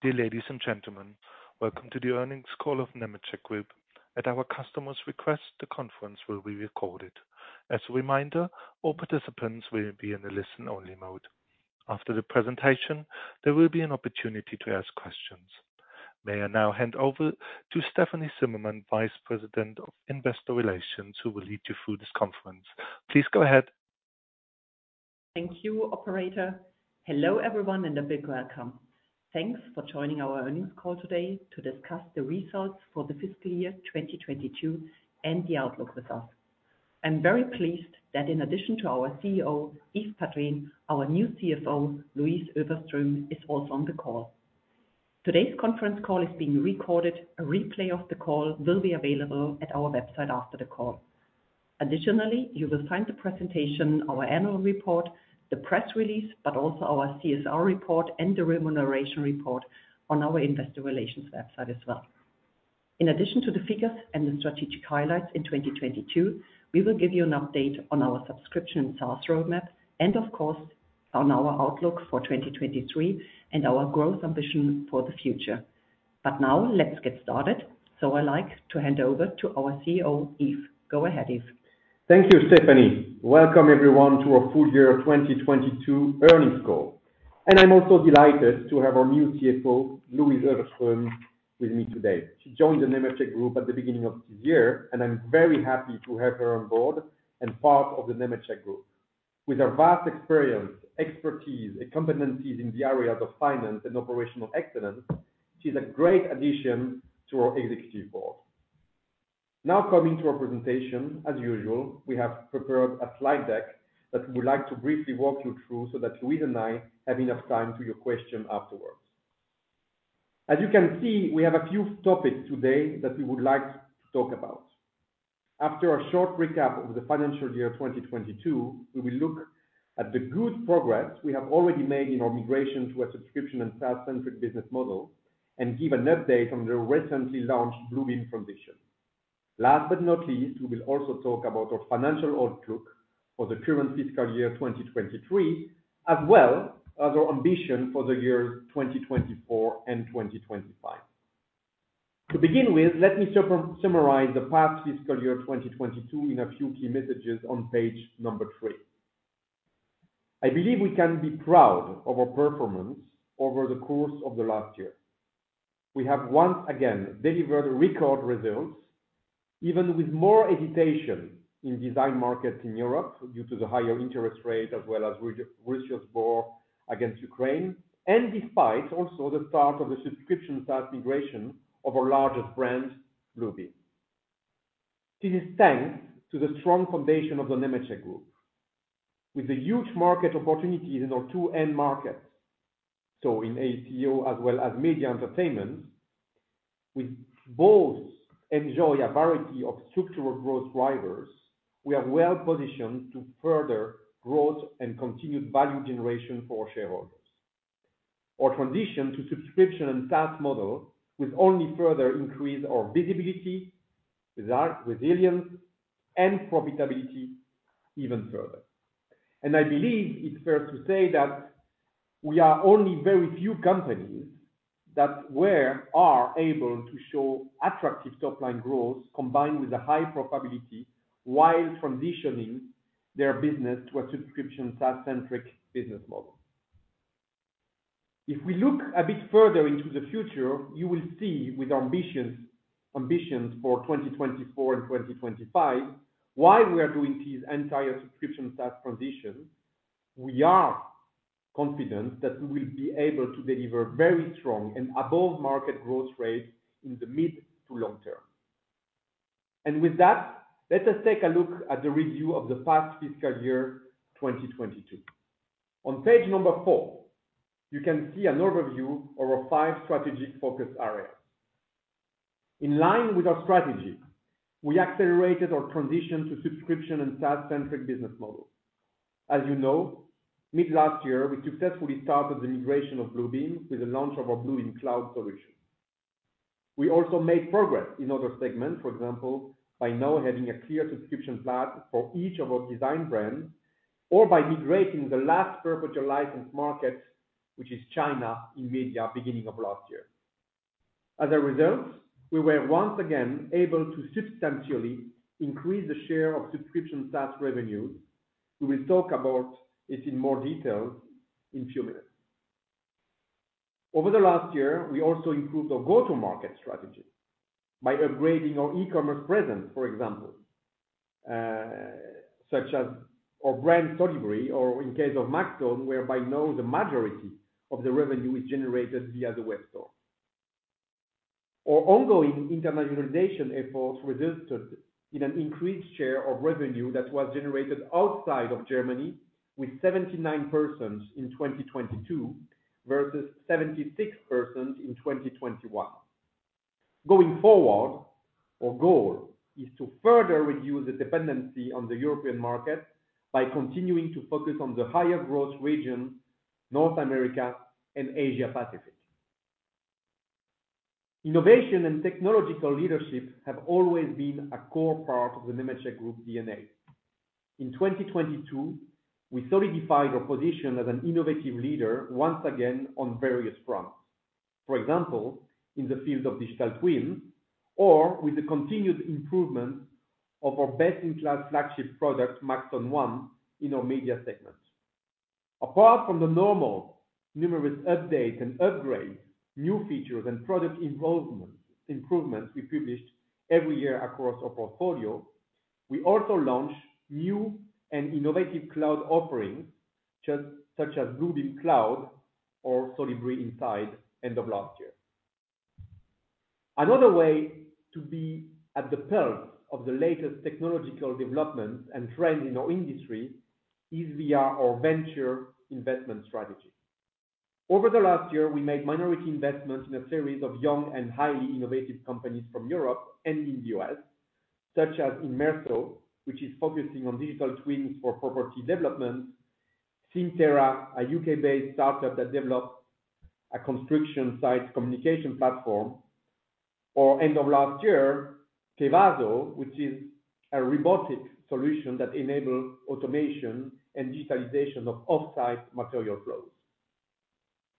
Dear ladies and gentlemen, welcome to the earnings call of Nemetschek Group. At our customer's request, the conference will be recorded. As a reminder, all participants will be in a listen only mode. After the presentation, there will be an opportunity to ask questions. May I now hand over to Stefanie Zimmermann, Vice President of Investor Relations, who will lead you through this conference. Please go ahead. Thank you, Operator. Hello, everyone, a big welcome. Thanks for joining our earnings call today to discuss the results for the fiscal year 2022 and the outlook with us. I'm very pleased that in addition to our CEO, Yves Padrines, our new CFO, Louise Öfverström, is also on the call. Today's conference call is being recorded. A replay of the call will be available at our website after the call. Additionally, you will find the presentation, our annual report, the press release, also our CSR report and the remuneration report on our investor relations website as well. In addition to the figures and the strategic highlights in 2022, we will give you an update on our subscription SaaS roadmap and of course, on our outlook for 2023 and our growth ambition for the future. Now let's get started. I'd like to hand over to our CEO, Yves. Go ahead, Yves. Thank you, Stefanie. Welcome everyone to our full year 2022 earnings call. I'm also delighted to have our new CFO, Louise Öfverström, with me today. She joined the Nemetschek Group at the beginning of this year, and I'm very happy to have her on board and part of the Nemetschek Group. With her vast experience, expertise, and competencies in the areas of finance and operational excellence, she's a great addition to our executive board. Coming to our presentation, as usual, we have prepared a slide deck that we would like to briefly walk you through so that Louise and I have enough time to your question afterwards. As you can see, we have a few topics today that we would like to talk about. After a short recap of the financial year 2022, we will look at the good progress we have already made in our migration to a subscription and SaaS centric business model and give an update on the recently launched Bluebeam transition. Last but not least, we will also talk about our financial outlook for the current fiscal year 2023, as well as our ambition for the years 2024 and 2025. To begin with, let me summarize the past fiscal year 2022 in a few key messages on page three. I believe we can be proud of our performance over the course of the last year. We have once again delivered record results, even with more hesitation in design markets in Europe due to the higher interest rate as well as Russia's war against Ukraine, and despite also the start of the subscription SaaS migration of our largest brand, Bluebeam. This is thanks to the strong foundation of the Nemetschek Group. With the huge market opportunities in our two end markets, in AEC/O as well as media entertainment, we both enjoy a variety of structural growth drivers, we are well-positioned to further growth and continued value generation for our shareholders. Our transition to subscription and SaaS model will only further increase our visibility, resilience, and profitability even further. I believe it's fair to say that we are only very few companies that are able to show attractive top-line growth combined with a high profitability while transitioning their business to a subscription SaaS-centric business model. If we look a bit further into the future, you will see with ambitions for 2024 and 2025, while we are doing this entire subscription SaaS transition, we are confident that we will be able to deliver very strong and above market growth rates in the mid to long term. With that, let us take a look at the review of the past fiscal year, 2022. On page four, you can see an overview of our five strategic focus areas. In line with our strategy, we accelerated our transition to subscription and SaaS centric business model. As you know, mid last year, we successfully started the migration of Bluebeam with the launch of our Bluebeam Cloud solution. We also made progress in other segments, for example, by now having a clear subscription plan for each of our design brands or by migrating the last perpetual license market, which is China in media, beginning of last year. As a result, we were once again able to substantially increase the share of subscription SaaS revenue. We will talk about it in more detail in few minutes. Over the last year, we also improved our go-to-market strategy by upgrading our e-commerce presence, for example, such as our brand Solibri or in case of Maxon, whereby now the majority of the revenue is generated via the web store. Our ongoing internationalization efforts resulted in an increased share of revenue that was generated outside of Germany with 79% in 2022 versus 76% in 2021. Going forward, our goal is to further reduce the dependency on the European market by continuing to focus on the higher growth region, North America and Asia Pacific. Innovation and technological leadership have always been a core part of the Nemetschek Group DNA. In 2022, we solidified our position as an innovative leader once again on various fronts. For example, in the field of digital twin or with the continued improvement of our best-in-class flagship product, Maxon One in our media segment. Apart from the normal numerous updates and upgrades, new features and product improvements we published every year across our portfolio, we also launched new and innovative cloud offerings, such as Bluebeam Cloud or Solibri Inside end of last year. Another way to be at the pulse of the latest technological developments and trends in our industry is via our venture investment strategy. Over the last year, we made minority investments in a series of young and highly innovative companies from Europe and in the U.S., such as Imerso, which is focusing on digital twins for property development. SymTerra, a U.K.-based startup that developed a construction site communication platform. End of last year, KEWAZO, which is a robotic solution that enables automation and digitalization of offsite material flows.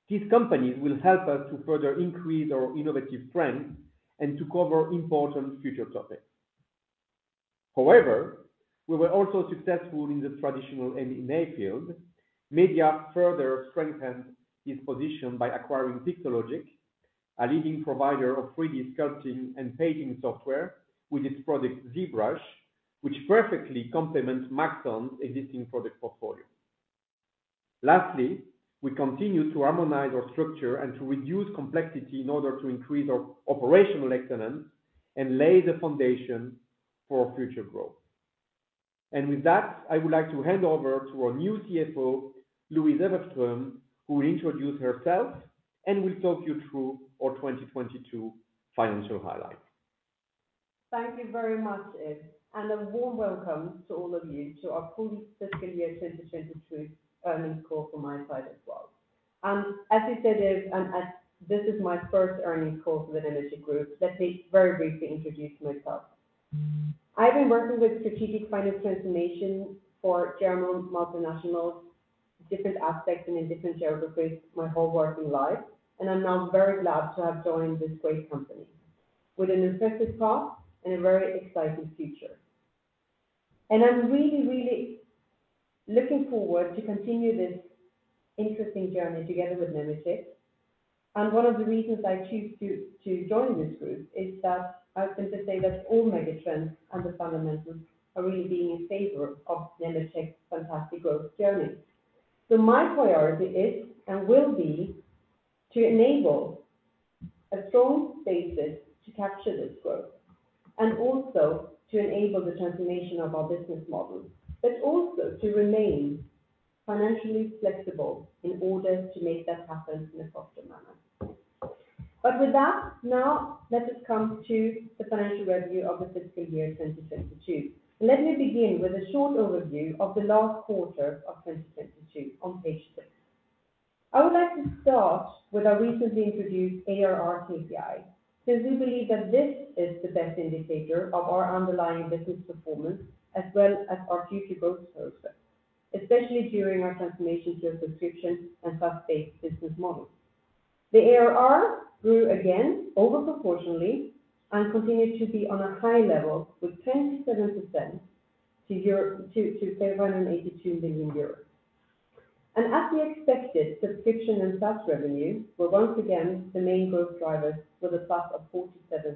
These companies will help us to further increase our innovative strength and to cover important future topics. However, we were also successful in the traditional M&A field. Media further strengthened its position by acquiring Pixologic, a leading provider of free sculpting and painting software with its product ZBrush, which perfectly complements Maxon's existing product portfolio. Lastly, we continue to harmonize our structure and to reduce complexity in order to increase our operational excellence and lay the foundation for future growth. With that, I would like to hand over to our new CFO, Louise Öfverström, who will introduce herself and will talk you through our 2022 financial highlights. Thank you very much, Yves, a warm welcome to all of you to our full fiscal year 2022 earnings call from my side as well. As you said, Yves, this is my first earnings call for the Nemetschek Group. Let me very briefly introduce myself. I've been working with strategic finance transformation for German multinationals, different aspects and in different geographies my whole working life, I'm now very glad to have joined this great company with an impressive past and a very exciting future. I'm really looking forward to continue this interesting journey together with Nemetschek. One of the reasons I choose to join this group is that I simply say that all mega trends and the fundamentals are really being in favor of Nemetschek's fantastic growth journey. My priority is, and will be, to enable a strong basis to capture this growth, and also to enable the transformation of our business model, but also to remain financially flexible in order to make that happen in a proper manner. With that, now let us come to the financial review of the fiscal year 2022. Let me begin with a short overview of the last quarter of 2022 on page six. I would like to start with our recently introduced ARR KPI because we believe that this is the best indicator of our underlying business performance as well as our future growth process, especially during our transformation to a subscription and SaaS-based business model. The ARR grew again over proportionally and continued to be on a high level with 27% to EUR 582 million. As we expected, subscription and SaaS revenue were once again the main growth drivers with a plus of 47%.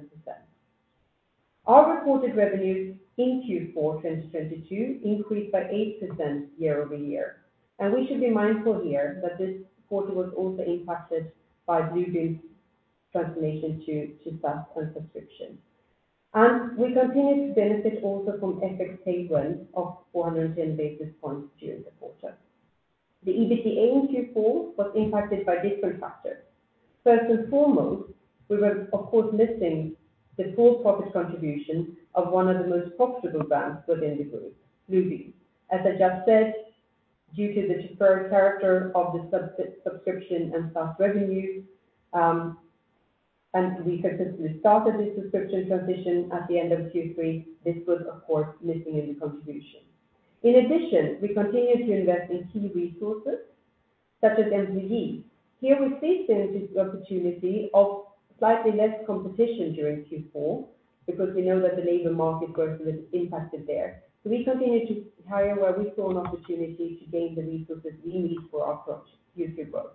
Our reported revenues in Q4 2022 increased by 8% year-over-year. We should be mindful here that this quarter was also impacted by Bluebeam's transformation to SaaS and subscription. We continue to benefit also from FX tailwind of 410 basis points during the quarter. The EBITDA in Q4 was impacted by different factors. First and foremost, we were, of course, missing the full profit contribution of one of the most profitable brands within the group, Bluebeam. As I just said, due to the deferred character of the subscription and SaaS revenue, and we consistently started this subscription transition at the end of Q3, this was of course missing in the contribution. In addition, we continued to invest in key resources such as MVE. Here we see the opportunity of slightly less competition during Q4 because we know that the labor market growth was impacted there. We continued to hire where we saw an opportunity to gain the resources we need for our future growth.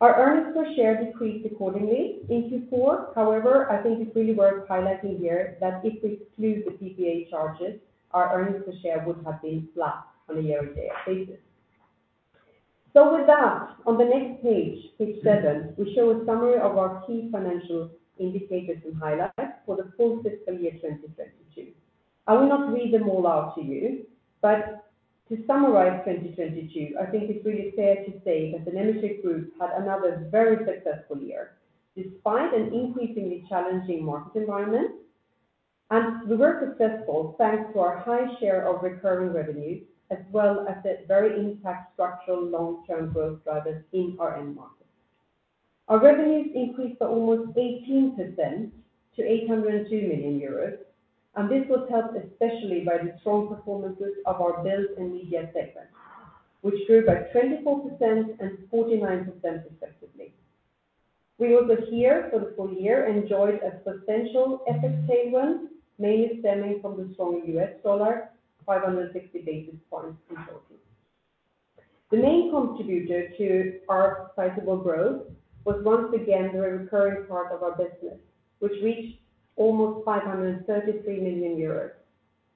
Our earnings per share decreased accordingly in Q4. However, I think it's really worth highlighting here that if we exclude the PPA charges, our earnings per share would have been flat on a year-on-year basis. With that, on the next page seven, we show a summary of our key financial indicators and highlights for the full fiscal year 2022. I will not read them all out to you, but to summarize 2022, I think it's really fair to say that the Nemetschek Group had another very successful year. Despite an increasingly challenging market environment. We were successful thanks to our high share of recurring revenue, as well as the very intact structural long-term growth drivers in our end markets. Our revenues increased by almost 18% to 802 million euros. This was helped especially by the strong performances of our build and media segments, which grew by 24% and 49% effectively. We also, here for the full year, enjoyed a substantial FX tailwind, mainly stemming from the strong U.S. dollar, 560 basis points in total. The main contributor to our sizable growth was once again the recurring part of our business, which reached almost 533 million euros.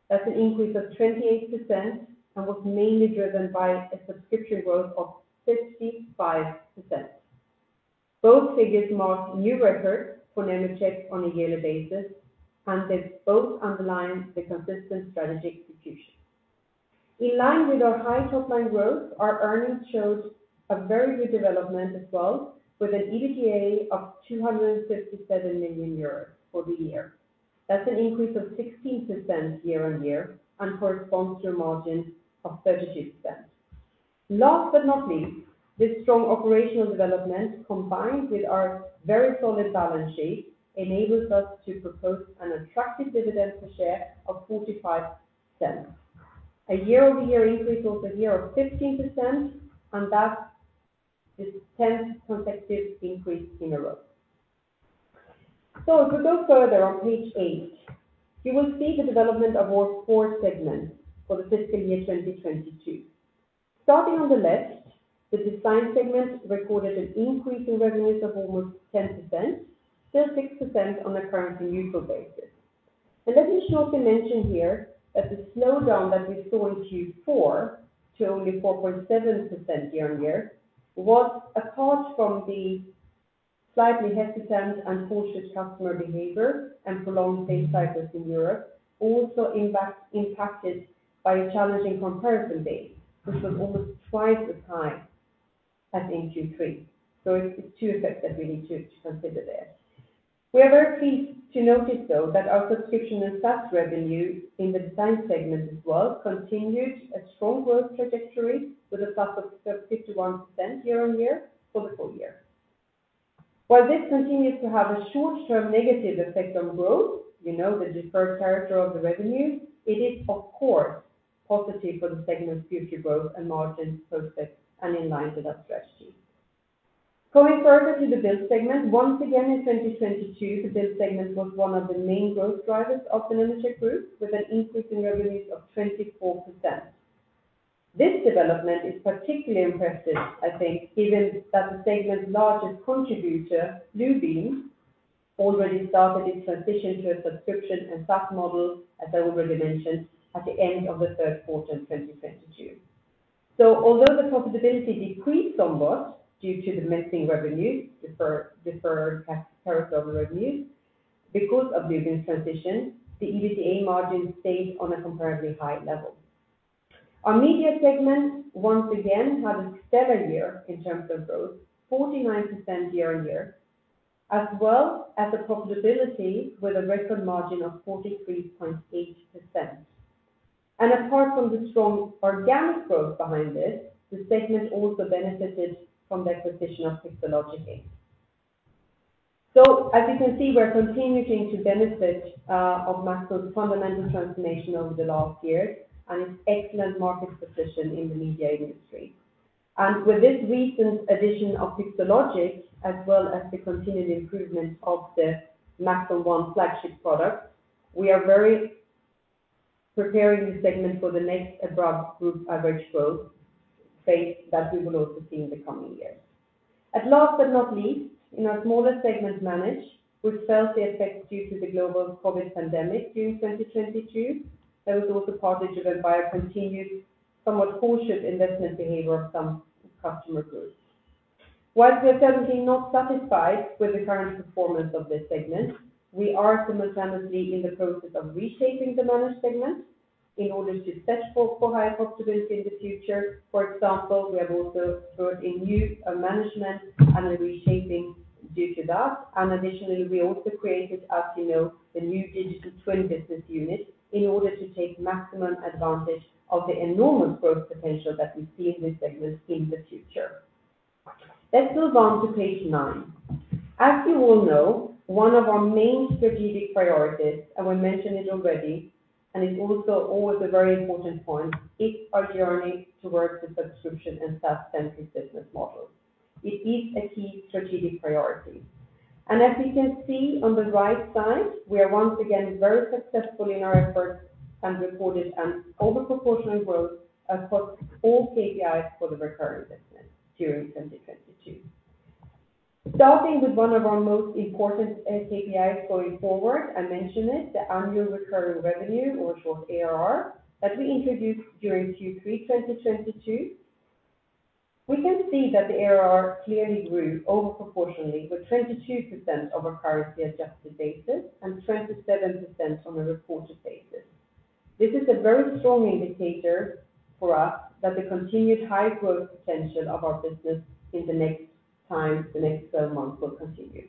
That's an increase of 28% and was mainly driven by a subscription growth of 55%. Both figures mark new records for Nemetschek on a yearly basis, and they both underline the consistent strategic execution. In line with our high top-line growth, our earnings showed a very good development as well, with an EBITDA of 267 million euros for the year. That's an increase of 16% year-on-year and corresponds to a margin of 32%. Last but not least, this strong operational development, combined with our very solid balance sheet, enables us to propose an attractive dividend per share of 0.45. A year-over-year increase over the year of 15%, and that is the 10th consecutive increase in a row. If we go further on page eight, you will see the development of our four segments for the fiscal year 2022. Starting on the left, the Design segment recorded an increase in revenues of almost 10%, still 6% on a currency neutral basis. Let me shortly mention here that the slowdown that we saw in Q4 to only 4.7% year-on-year was, apart from the slightly hesitant and cautious customer behavior and prolonged sales cycles in Europe, also impacted by a challenging comparison base, which was almost twice as high as in Q3. It's two effects that we need to consider there. We are very pleased to notice, though, that our subscription and SaaS revenue in the Design segment as well continued a strong growth trajectory with a spurt of 51% year-on-year for the full year. While this continues to have a short-term negative effect on growth, we know the deferred character of the revenue, it is of course positive for the segment's future growth and margin prospects and in line with our strategy. Going further to the Build segment. Once again, in 2022, the Build segment was one of the main growth drivers of the Nemetschek Group, with an increase in revenues of 24%. This development is particularly impressive, I think, given that the segment's largest contributor, Bluebeam, already started its transition to a subscription and SaaS model, as I already mentioned, at the end of the third quarter in 2022. Although the profitability decreased somewhat due to the missing revenues, deferred character of the revenues, because of Bluebeam's transition, the EBITDA margin stayed on a comparatively high level. Our Media segment once again had a stellar year in terms of growth, 49% year-on-year, as well as a profitability with a record margin of 43.8%. Apart from the strong organic growth behind it, the segment also benefited from the acquisition of Pixologic, Inc. As you can see, we're continuing to benefit of Maxon's fundamental transformation over the last years and its excellent market position in the media industry. With this recent addition of Pixologic, as well as the continued improvement of the Maxon One flagship product, we are preparing the segment for the next above group average growth phase that we will also see in the coming years. Last but not least, in our smaller segment, Manage, which felt the effects due to the global COVID pandemic during 2022. That was also partly driven by a continued, somewhat cautious investment behavior of some customer groups. While we are certainly not satisfied with the current performance of this segment, we are simultaneously in the process of reshaping the Manage segment in order to set forth for higher profitability in the future. For example, we have also brought a new management and a reshaping due to that. Additionally, we also created, as you know, the new digital twin business unit in order to take maximum advantage of the enormous growth potential that we see in this segment in the future. Let's move on to page nine. As you all know, one of our main strategic priorities, and we mentioned it already, and it's also always a very important point, is our journey towards the subscription and SaaS-centric business model. It is a key strategic priority. As you can see on the right side, we are once again very successful in our efforts and reported an over proportional growth across all KPIs for the recurring business during 2022. Starting with one of our most important KPIs going forward, I mention it, the annual recurring revenue or short ARR that we introduced during Q3 2022. We can see that the ARR clearly grew over proportionally with 22% over currency adjusted basis and 27% on a reported basis. This is a very strong indicator for us that the continued high growth potential of our business in the next time, the next 12 months will continue.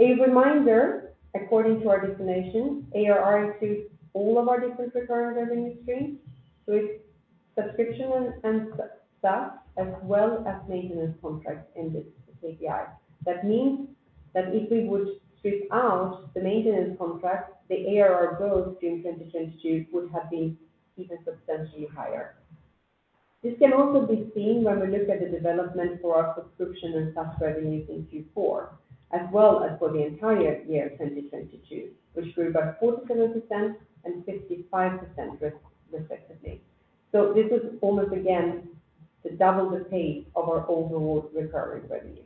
A reminder, according to our definition, ARR includes all of our different recurring revenue streams. It's subscription and SaaS as well as maintenance contracts in this KPI. That means that if we would strip out the maintenance contract, the ARR growth in 2022 would have been even substantially higher. This can also be seen when we look at the development for our subscription and SaaS revenue in Q4 as well as for the entire year 2022, which grew by 47% and 55% respectively. This is almost again the double the pace of our overall recurring revenue.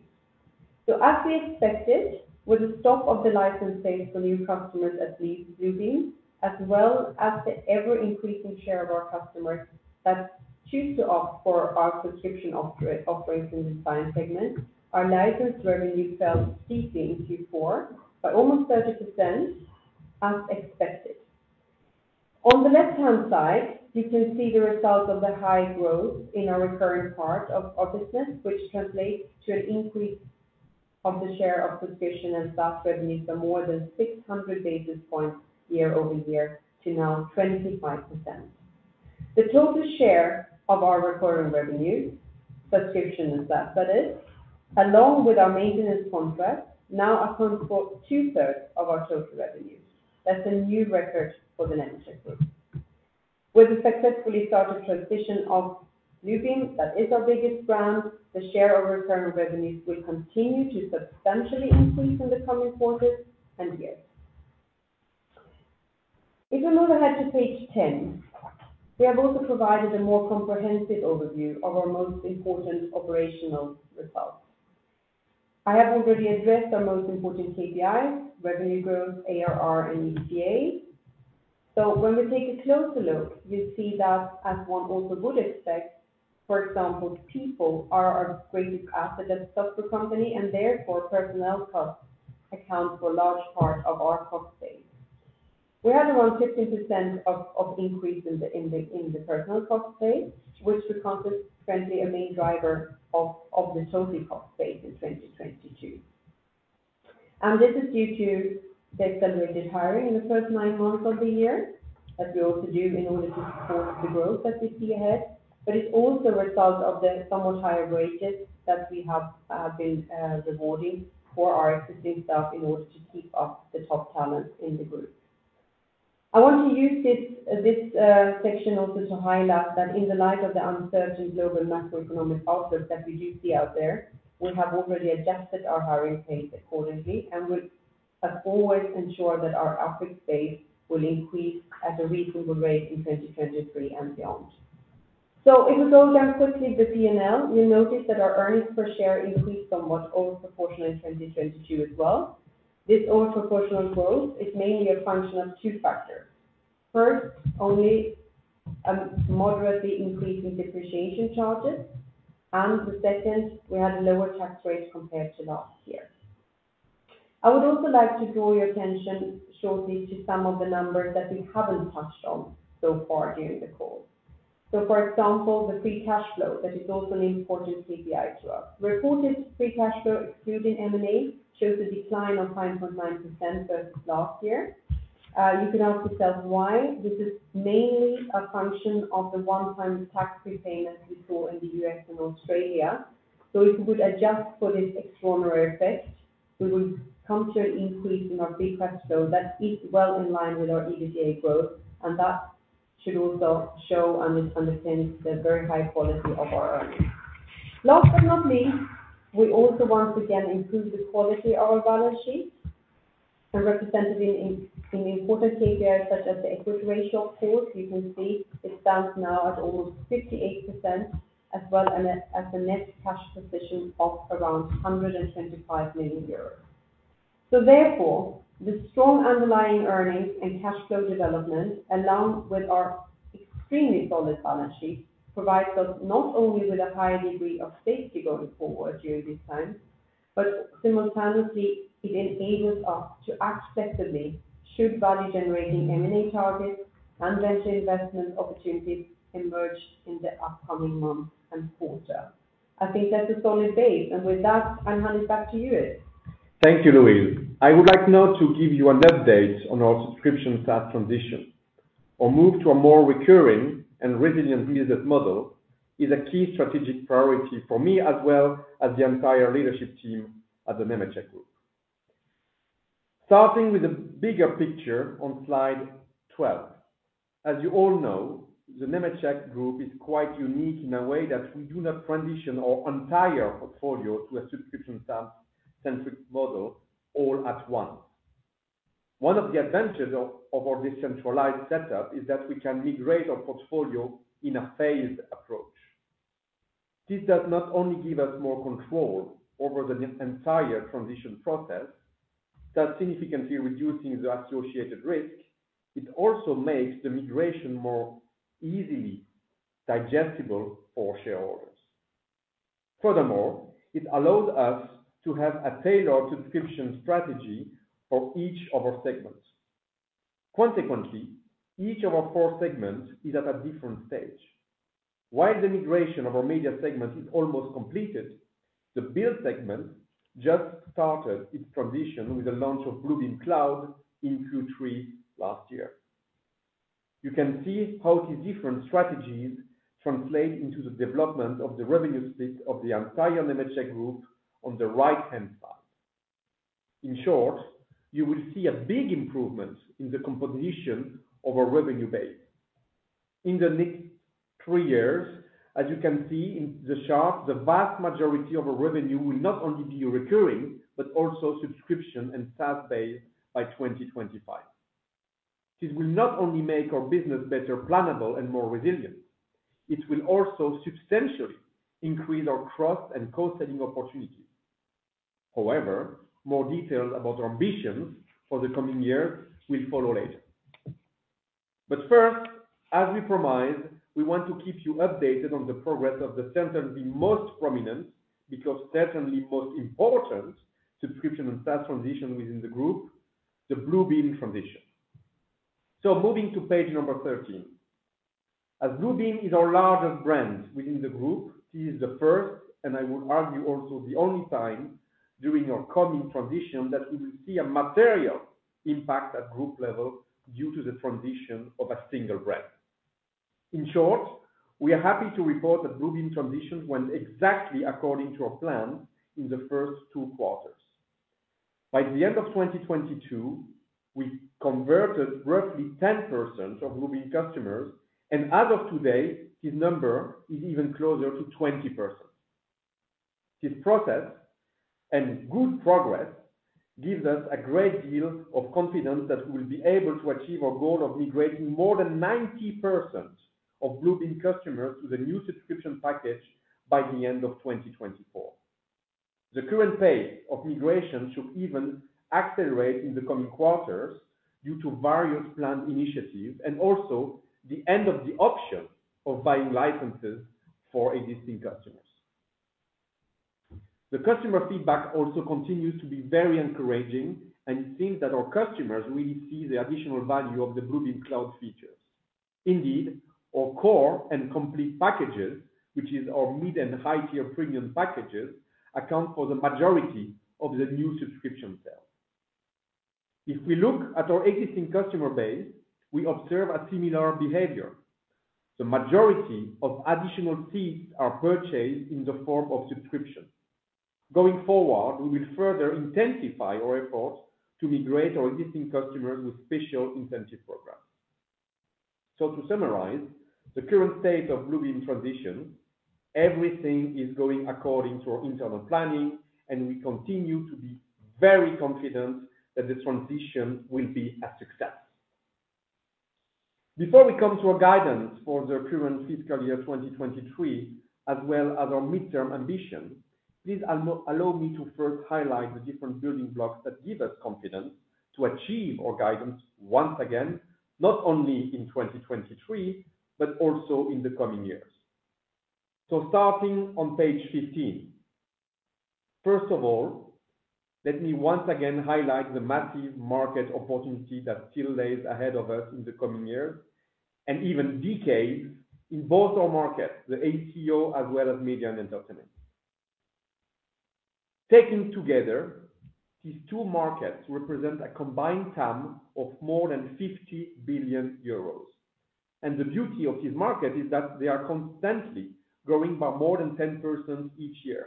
As we expected, with the stop of the license sales for new customers at Bluebeam, as well as the ever-increasing share of our customers that choose to opt for our subscription offerings in Design segment, our license revenue fell steeply in Q4 by almost 30% as expected. On the left-hand side, you can see the result of the high growth in our recurring part of the business, which translates to an increase of the share of subscription and SaaS revenue for more than 600 basis points year-over-year to now 25%. The total share of our recurring revenue, subscription and SaaS that is, along with our maintenance contracts, now account for two-thirds of our total revenue. That's a new record for the Nemetschek Group. With the successfully started transition of Bluebeam, that is our biggest brand, the share of recurring revenues will continue to substantially increase in the coming quarters and years. If we move ahead to page 10, we have also provided a more comprehensive overview of our most important operational results. I have already addressed our most important KPIs, revenue growth, ARR, and EBITDA. When we take a closer look, you see that as one also would expect, for example, people are our greatest asset as a software company, and therefore, personnel costs account for a large part of our cost base. We had around 15% of increase in the personnel cost base, which was consequently a main driver of the total cost base in 2022. This is due to the accelerated hiring in the first nine months of the year, as we also do in order to support the growth that we see ahead. It's also a result of the somewhat higher wages that we have been rewarding for our existing staff in order to keep up the top talent in the group. I want to use this section also to highlight that in the light of the uncertain global macroeconomic outlook that we do see out there, we have already adjusted our hiring pace accordingly, and we always ensure that our OpEx base will increase at a reasonable rate in 2023 and beyond. If we go down quickly the P&L, you'll notice that our earnings per share increased somewhat overproportional in 2022 as well. This overproportional growth is mainly a function of two factors. First, only a moderately increase in depreciation charges, and the second, we had a lower tax rate compared to last year. I would also like to draw your attention shortly to some of the numbers that we haven't touched on so far during the call. For example, the free cash flow, that is also an important KPI to us. Reported free cash flow excluding M&A shows a decline of 5.9% versus last year. You can ask yourself why. This is mainly a function of the one-time tax repayment we saw in the U.S. and Australia. If we would adjust for this extraordinary effect, we would come to an increase in our free cash flow that is well in line with our EBITDA growth, and that should also show and understand the very high quality of our earnings. Last but not least, we also once again improved the quality of our balance sheet and represented in important KPIs such as the equity ratio of course, you can see it stands now at almost 58% as well as a net cash position of around 125 million euros. Therefore, the strong underlying earnings and cash flow development, along with our extremely solid balance sheet, provides us not only with a high degree of safety going forward during this time, but simultaneously it enables us to accessibly shoot value-generating M&A targets and venture investment opportunities emerged in the upcoming months and quarter. I think that's a solid base. With that, I hand it back to you, Yves. Thank you, Louise. I would like now to give you an update on our subscription SaaS transition. A move to a more recurring and resilient business model is a key strategic priority for me as well as the entire leadership team at the Nemetschek Group. Starting with the bigger picture on slide 12. As you all know, the Nemetschek Group is quite unique in a way that we do not transition our entire portfolio to a subscription SaaS-centric model all at once. One of the advantages of our decentralized setup is that we can migrate our portfolio in a phased approach. This does not only give us more control over the entire transition process, thus significantly reducing the associated risk, it also makes the migration more easily digestible for shareholders. Furthermore, it allows us to have a tailored subscription strategy for each of our segments. Each of our four segments is at a different stage. While the migration of our media segment is almost completed, the build segment just started its transition with the launch of Bluebeam Cloud in Q3 last year. You can see how these different strategies translate into the development of the revenue split of the entire Nemetschek Group on the right-hand side. In short, you will see a big improvement in the composition of our revenue base. In the next three years, as you can see in the chart, the vast majority of our revenue will not only be recurring, but also subscription and SaaS-based by 2025. This will not only make our business better plannable and more resilient, it will also substantially increase our cross and upselling opportunities. More details about our ambitions for the coming years will follow later. First, as we promised, we want to keep you updated on the progress of the certainly most prominent, because certainly most important subscription and SaaS transition within the group, the Bluebeam transition. Moving to page number 13. As Bluebeam is our largest brand within the group, this is the first, and I would argue also the only time during our coming transition that we will see a material impact at group level due to the transition of a single brand. In short, we are happy to report that Bluebeam transition went exactly according to our plan in the first two quarters. By the end of 2022, we converted roughly 10% of Bluebeam customers, and as of today, this number is even closer to 20%. This process and good progress gives us a great deal of confidence that we will be able to achieve our goal of migrating more than 90% of Bluebeam customers to the new subscription package by the end of 2024. The current pace of migration should even accelerate in the coming quarters due to various planned initiatives and also the end of the option of buying licenses for existing customers. The customer feedback also continues to be very encouraging, and it seems that our customers really see the additional value of the Bluebeam Cloud features. Our core and complete packages, which is our mid and high tier premium packages, account for the majority of the new subscription sales. If we look at our existing customer base, we observe a similar behavior. The majority of additional seats are purchased in the form of subscription. Going forward, we will further intensify our efforts to migrate our existing customers with special incentive programs. To summarize the current state of Bluebeam transition, everything is going according to our internal planning, and we continue to be very confident that the transition will be a success. Before we come to our guidance for the current fiscal year 2023, as well as our midterm ambition, please allow me to first highlight the different building blocks that give us confidence to achieve our guidance once again, not only in 2023, but also in the coming years. Starting on page 15. First of all, let me once again highlight the massive market opportunity that still lays ahead of us in the coming years and even decades in both our markets, the AEC/O as well as media and entertainment. Taken together, these two markets represent a combined TAM of more than 50 billion euros. The beauty of this market is that they are constantly growing by more than 10% each year,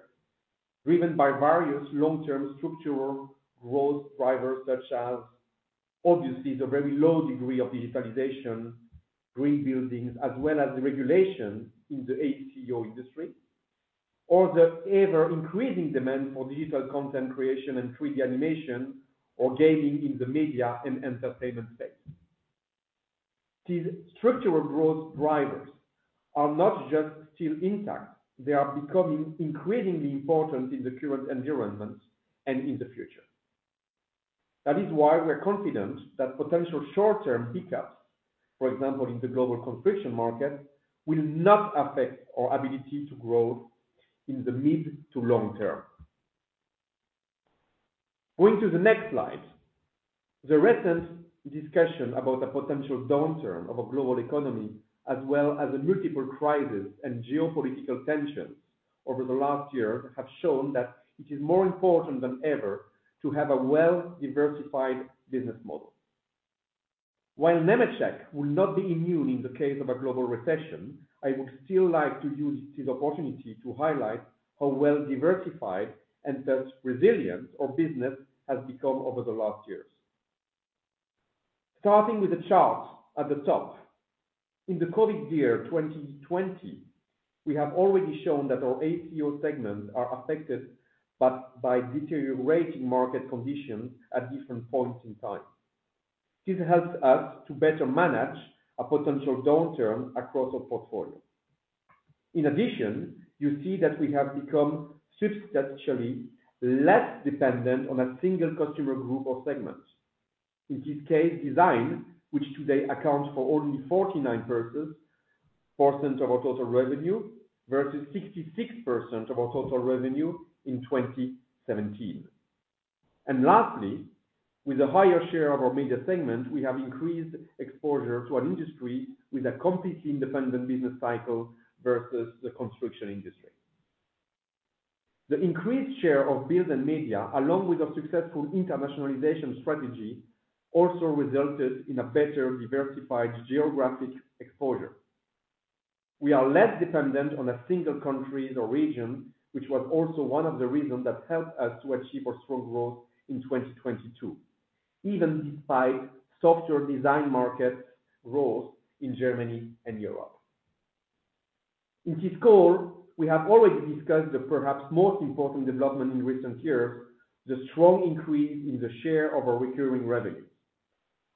driven by various long-term structural growth drivers such as obviously the very low degree of digitalization, green buildings, as well as the regulation in the AEC/O industry, or the ever-increasing demand for digital content creation and 3D animation or gaming in the media and entertainment space. These structural growth drivers are not just still intact, they are becoming increasingly important in the current environment and in the future. That is why we are confident that potential short-term hiccups, for example, in the global construction market, will not affect our ability to grow in the mid to long term. Going to the next slide. The recent discussion about a potential downturn of our global economy as well as the multiple crisis and geopolitical tensions over the last year have shown that it is more important than ever to have a well-diversified business model. While Nemetschek will not be immune in the case of a global recession, I would still like to use this opportunity to highlight how well-diversified and thus resilient our business has become over the last years. Starting with the chart at the top. In the COVID year 2020, we have already shown that our AEC/O segments are affected, but by deteriorating market conditions at different points in time. This helps us to better manage a potential downturn across our portfolio. In addition, you see that we have become substantially less dependent on a single customer group or segment. In this case, design, which today accounts for only 49% of our total revenue versus 66% of our total revenue in 2017. Lastly, with a higher share of our media segment, we have increased exposure to an industry with a completely independent business cycle versus the construction industry. The increased share of build and media, along with a successful internationalization strategy, also resulted in a better diversified geographic exposure. We are less dependent on a single country or region, which was also one of the reasons that helped us to achieve our strong growth in 2022, even despite softer design markets growth in Germany and Europe. In this call, we have already discussed the perhaps most important development in recent years, the strong increase in the share of our recurring revenues.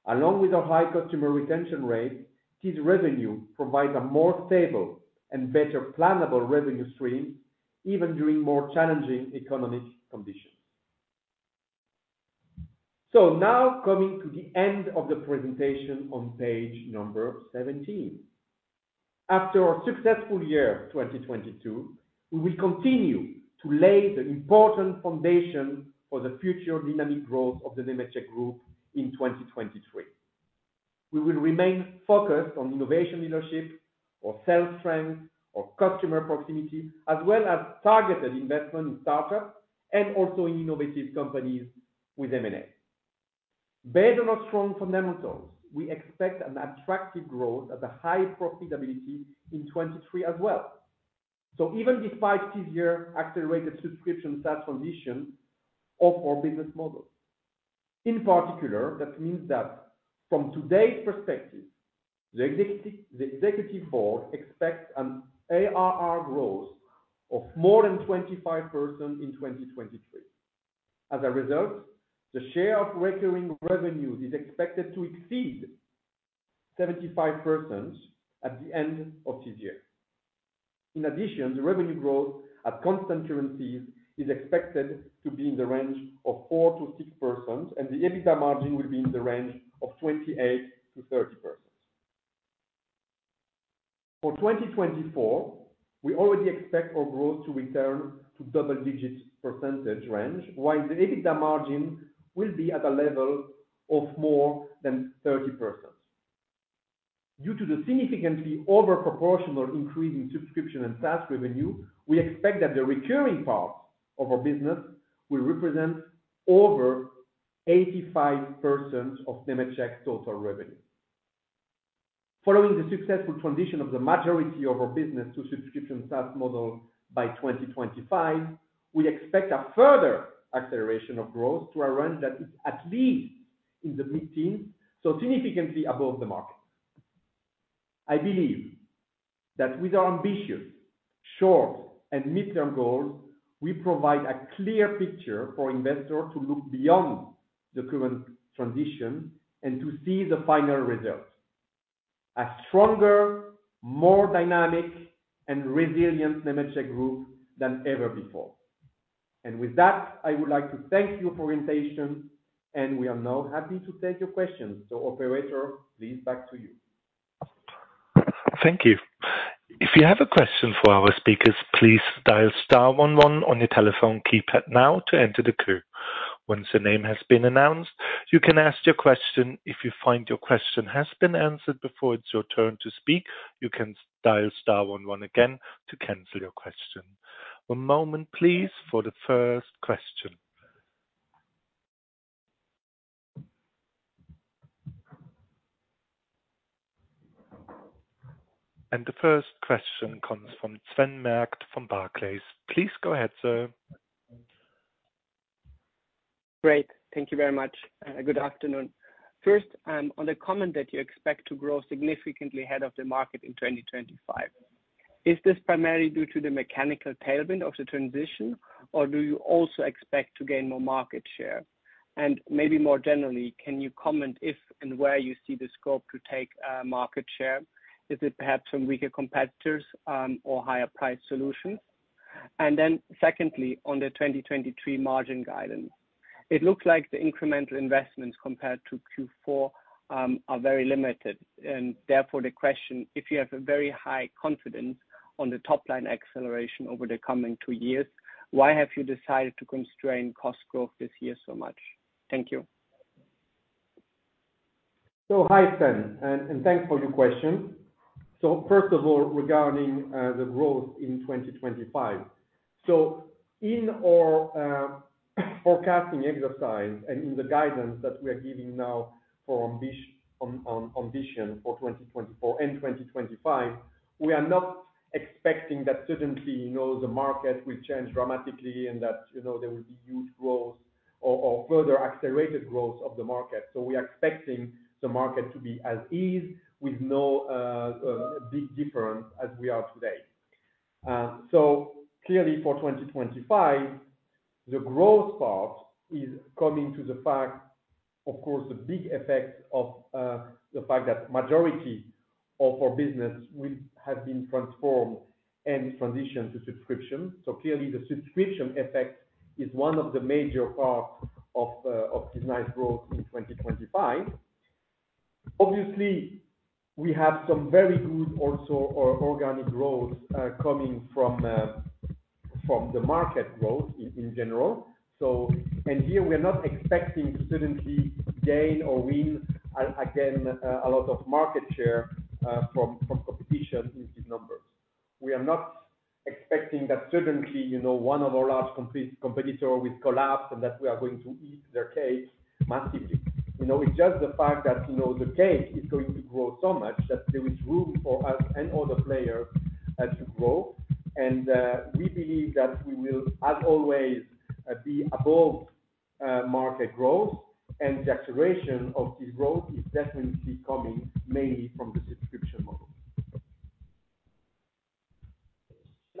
Along with our high customer retention rate, this revenue provides a more stable and better plannable revenue stream even during more challenging economic conditions. Now coming to the end of the presentation on page number 17. After our successful year, 2022, we will continue to lay the important foundation for the future dynamic growth of the Nemetschek Group in 2023. We will remain focused on innovation leadership or sales strength or customer proximity, as well as targeted investment in start-ups and also in innovative companies with M&A. Based on our strong fundamentals, we expect an attractive growth at a high profitability in 2023 as well. Even despite this year accelerated subscription SaaS transition of our business model. In particular, that means that from today's perspective, the executive board expects an ARR growth of more than 25% in 2023. As a result, the share of recurring revenues is expected to exceed 75% at the end of this year. In addition, the revenue growth at constant currencies is expected to be in the range of 4%-6%, and the EBITDA margin will be in the range of 28%-30%. For 2024, we already expect our growth to return to double-digit percentage range, while the EBITDA margin will be at a level of more than 30%. Due to the significantly over proportional increase in subscription and SaaS revenue, we expect that the recurring part of our business will represent over 85% of Nemetschek total revenue. Following the successful transition of the majority of our business to subscription SaaS model by 2025, we expect a further acceleration of growth to a range that is at least in the mid-teen, significantly above the market. I believe that with our ambitious short and midterm goals, we provide a clear picture for investors to look beyond the current transition and to see the final result. A stronger, more dynamic, and resilient Nemetschek Group than ever before. With that, I would like to thank you for your attention, and we are now happy to take your questions. Operator, please back to you. Thank you. If you have a question for our speakers, please dial star one one on your telephone keypad now to enter the queue. Once your name has been announced, you can ask your question. If you find your question has been answered before it's your turn to speak, you can dial star one one again to cancel your question. One moment, please, for the first question. The first question comes from Sven Merkt from Barclays. Please go ahead, sir. Great. Thank you very much. Good afternoon. First, on the comment that you expect to grow significantly ahead of the market in 2025, is this primarily due to the mechanical tailwind of the transition, or do you also expect to gain more market share? Maybe more generally, can you comment if and where you see the scope to take market share? Is it perhaps from weaker competitors, or higher price solutions? Secondly, on the 2023 margin guidance, it looks like the incremental investments compared to Q4, are very limited and therefore the question, if you have a very high confidence on the top line acceleration over the coming two years, why have you decided to constrain cost growth this year so much? Thank you. Hi, Sven, and thanks for your question. First of all, regarding the growth in 2025. In our forecasting exercise and in the guidance that we are giving now for ambition, on ambition for 2024 and 2025, we are not expecting that suddenly, you know, the market will change dramatically and that, you know, there will be huge growth or further accelerated growth of the market. We are expecting the market to be as is with no big difference as we are today. Clearly for 2025, the growth part is coming to the fact, of course, the big effect of the fact that majority for business will have been transformed and transitioned to subscription. Clearly the subscription effect is one of the major parts of this nice growth in 2025. Obviously, we have some very good also or organic growth coming from the market growth in general. Here we are not expecting to suddenly gain or win again a lot of market share from competition in these numbers. We are not expecting that suddenly, you know, one of our large competitor will collapse and that we are going to eat their cake massively. You know, it's just the fact that, you know, the cake is going to grow so much that there is room for us and other players to grow. We believe that we will, as always, be above market growth. The acceleration of this growth is definitely coming mainly from the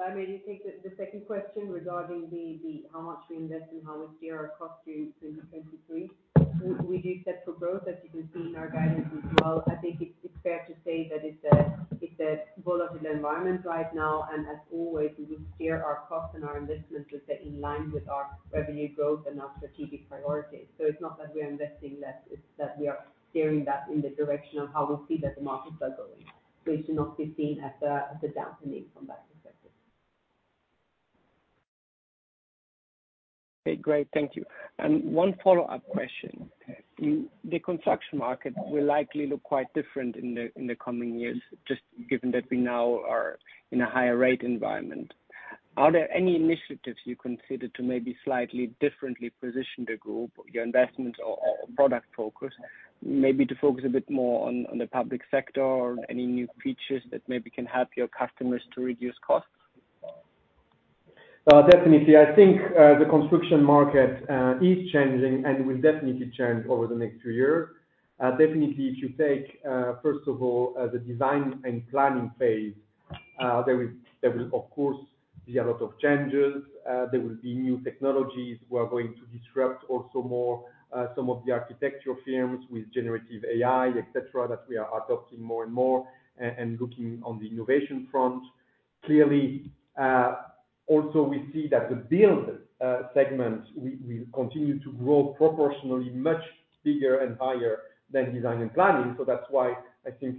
subscription model. If I may take the second question regarding the how much we invest and how we steer our cost through 2023. We do set for growth, as you can see in our guidance as well. I think it's fair to say that it's a volatile environment right now, as always, we will steer our cost and our investments to stay in line with our revenue growth and our strategic priorities. It's not that we are investing less, it's that we are steering that in the direction of how we see that the markets are going, which should not be seen as a dampening from that perspective. Okay, great. Thank you. One follow-up question. Okay. In the construction market will likely look quite different in the coming years, just given that we now are in a higher rate environment. Are there any initiatives you consider to maybe slightly differently position the group, your investment or product focus, maybe to focus a bit more on the public sector or any new features that maybe can help your customers to reduce costs? Definitely. I think, the construction market, is changing, and will definitely change over the next few years. Definitely if you take, first of all, the design and planning phase, there will of course be a lot of changes. There will be new technologies who are going to disrupt also more, some of the architecture firms with generative AI, et cetera, that we are adopting more and more and looking on the innovation front. Clearly, also we see that the build, segment will continue to grow proportionally much bigger and higher than design and planning. That's why I think,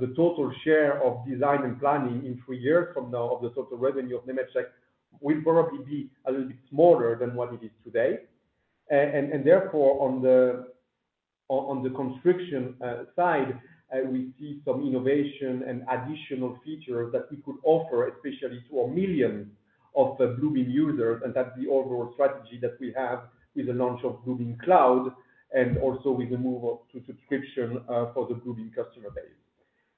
the total share of design and planning in three years from now of the total revenue of Nemetschek will probably be a little bit smaller than what it is today. Therefore, on the construction side, we see some innovation and additional features that we could offer, especially to our million of the Bluebeam users. That's the overall strategy that we have with the launch of Bluebeam Cloud and also with the move to subscription for the Bluebeam customer base.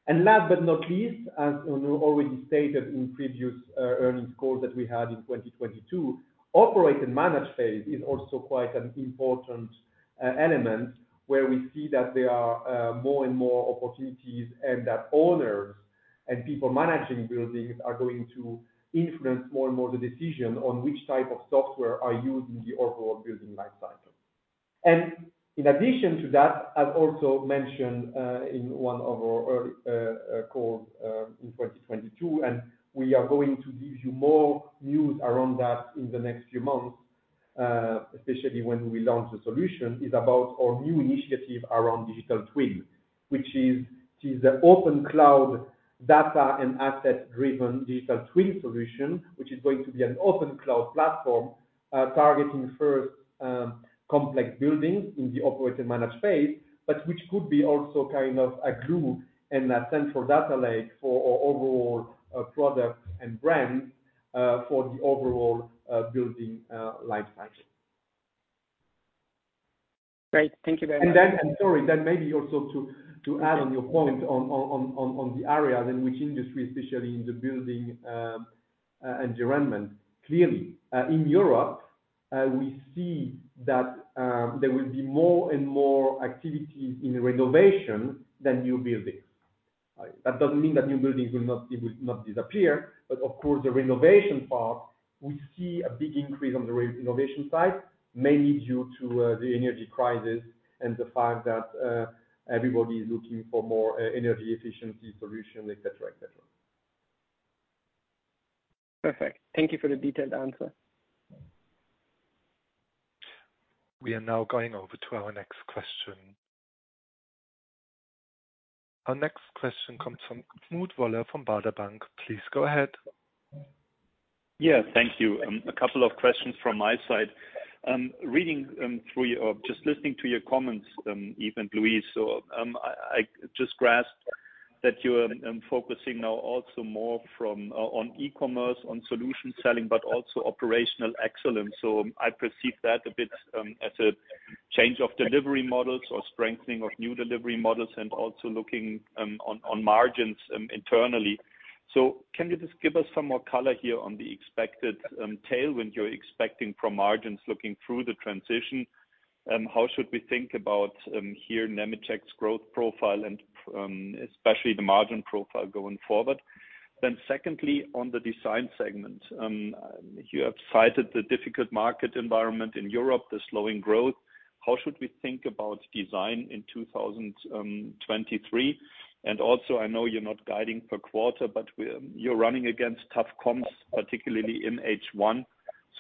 Last but not least, as already stated in previous earnings calls that we had in 2022, operate and manage phase is also quite an important element where we see that there are more and more opportunities and that owners and people managing buildings are going to influence more and more the decision on which type of software are used in the overall building lifecycle. In addition to that, as also mentioned, in one of our earlier calls, in 2022, and we are going to give you more news around that in the next few months, especially when we launch the solution, is about our new initiative around digital twin. Which is the open cloud data and asset-driven digital twin solution, which is going to be an open cloud platform, targeting first, complex buildings in the operate and manage phase, but which could be also kind of a glue and a central data lake for our overall products and brands, for the overall building lifecycle. Great. Thank you very much. I'm sorry. Maybe also to add on your point on the areas in which industry, especially in the building, environment. Clearly, in Europe, we see that there will be more and more activity in renovation than new buildings. That doesn't mean that new buildings will not disappear, but of course, the renovation part, we see a big increase on the renovation side, mainly due to the energy crisis and the fact that everybody is looking for more energy efficiency solution, et cetera, et cetera. Perfect. Thank you for the detailed answer. We are now going over to our next question. Our next question comes from Knut Woller from Baader Bank. Please go ahead. Yeah. Thank you. A couple of questions from my side. Reading or just listening to your comments, Yves and Louise, I just grasped that you're focusing now also more from on e-commerce, on solution selling, but also operational excellence. I perceive that a bit as a change of delivery models or strengthening of new delivery models and also looking on margins internally. Can you just give us some more color here on the expected tailwind you're expecting from margins looking through the transition? How should we think about here Nemetschek's growth profile and especially the margin profile going forward? Secondly, on the design segment, you have cited the difficult market environment in Europe, the slowing growth. How should we think about design in 2023? I know you're not guiding per quarter, but you're running against tough comps, particularly in H1.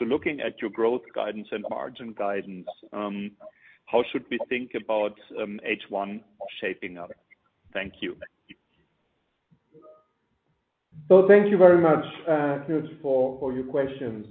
Looking at your growth guidance and margin guidance, how should we think about H1 shaping up? Thank you. Thank you very much, Knut, for your questions.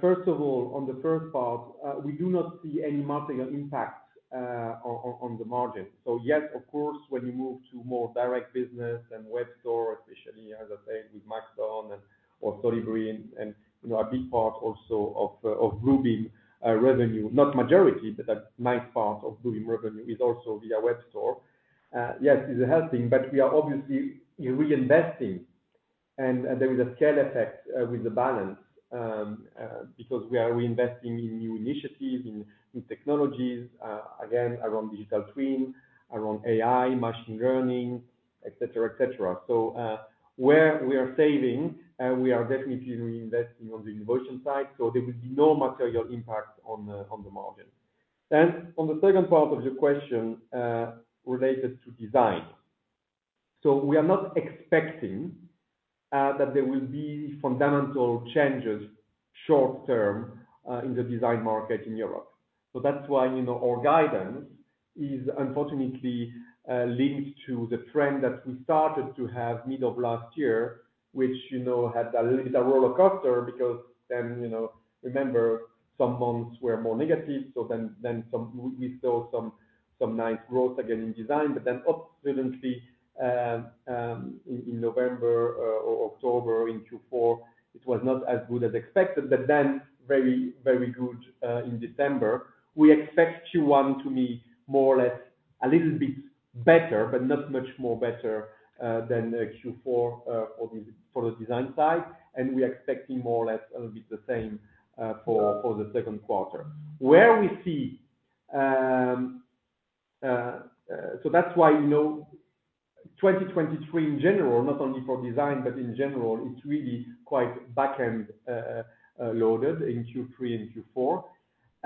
First of all, on the first part, we do not see any material impact on the margin. Yes, of course, when you move to more direct business and web store, especially as I say, with Maxon and or Solibri, and, you know, a big part also of growing revenue. Not majority, but a nice part of growing revenue is also via web store. Yes, it's helping, but we are obviously reinvesting and there is a scale effect with the balance. Because we are reinvesting in new initiatives, in technologies, again, around digital twin, around AI, machine learning, et cetera, et cetera. Where we are saving, we are definitely reinvesting on the innovation side, there will be no material impact on the margin. On the second part of your question, related to design. We are not expecting that there will be fundamental changes short term in the design market in Europe. That's why, you know, our guidance is unfortunately, linked to the trend that we started to have middle of last year, which, you know, it's a rollercoaster because then, you know, remember some months were more negative. Then we saw some nice growth again in design, but obviously, in November or October in Q4, it was not as good as expected, but very, very good in December. We expect Q1 to be more or less a little bit better, but not much more better than Q4 for the design side. We are expecting more or less a little bit the same for the second quarter. Where we see, that's why, you know, 2023 in general, not only for design, but in general, it's really quite back end loaded in Q3 and Q4.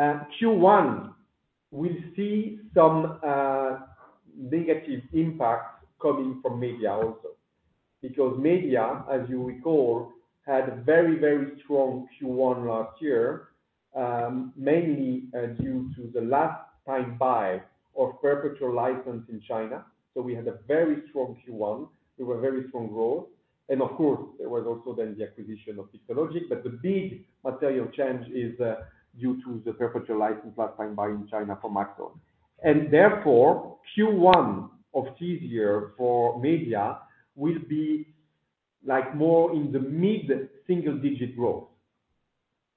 Q1 we see some negative impact coming from Media also. Media, as you recall, had a very, very strong Q1 last year, mainly due to the last time buy of perpetual license in China. We had a very strong Q1 with a very strong growth. Of course, there was also then the acquisition of Pixologic. The big material change is due to the perpetual license last time buy in China for Maxon. Therefore, Q1 of this year for media will be, like, more in the mid-single digit growth.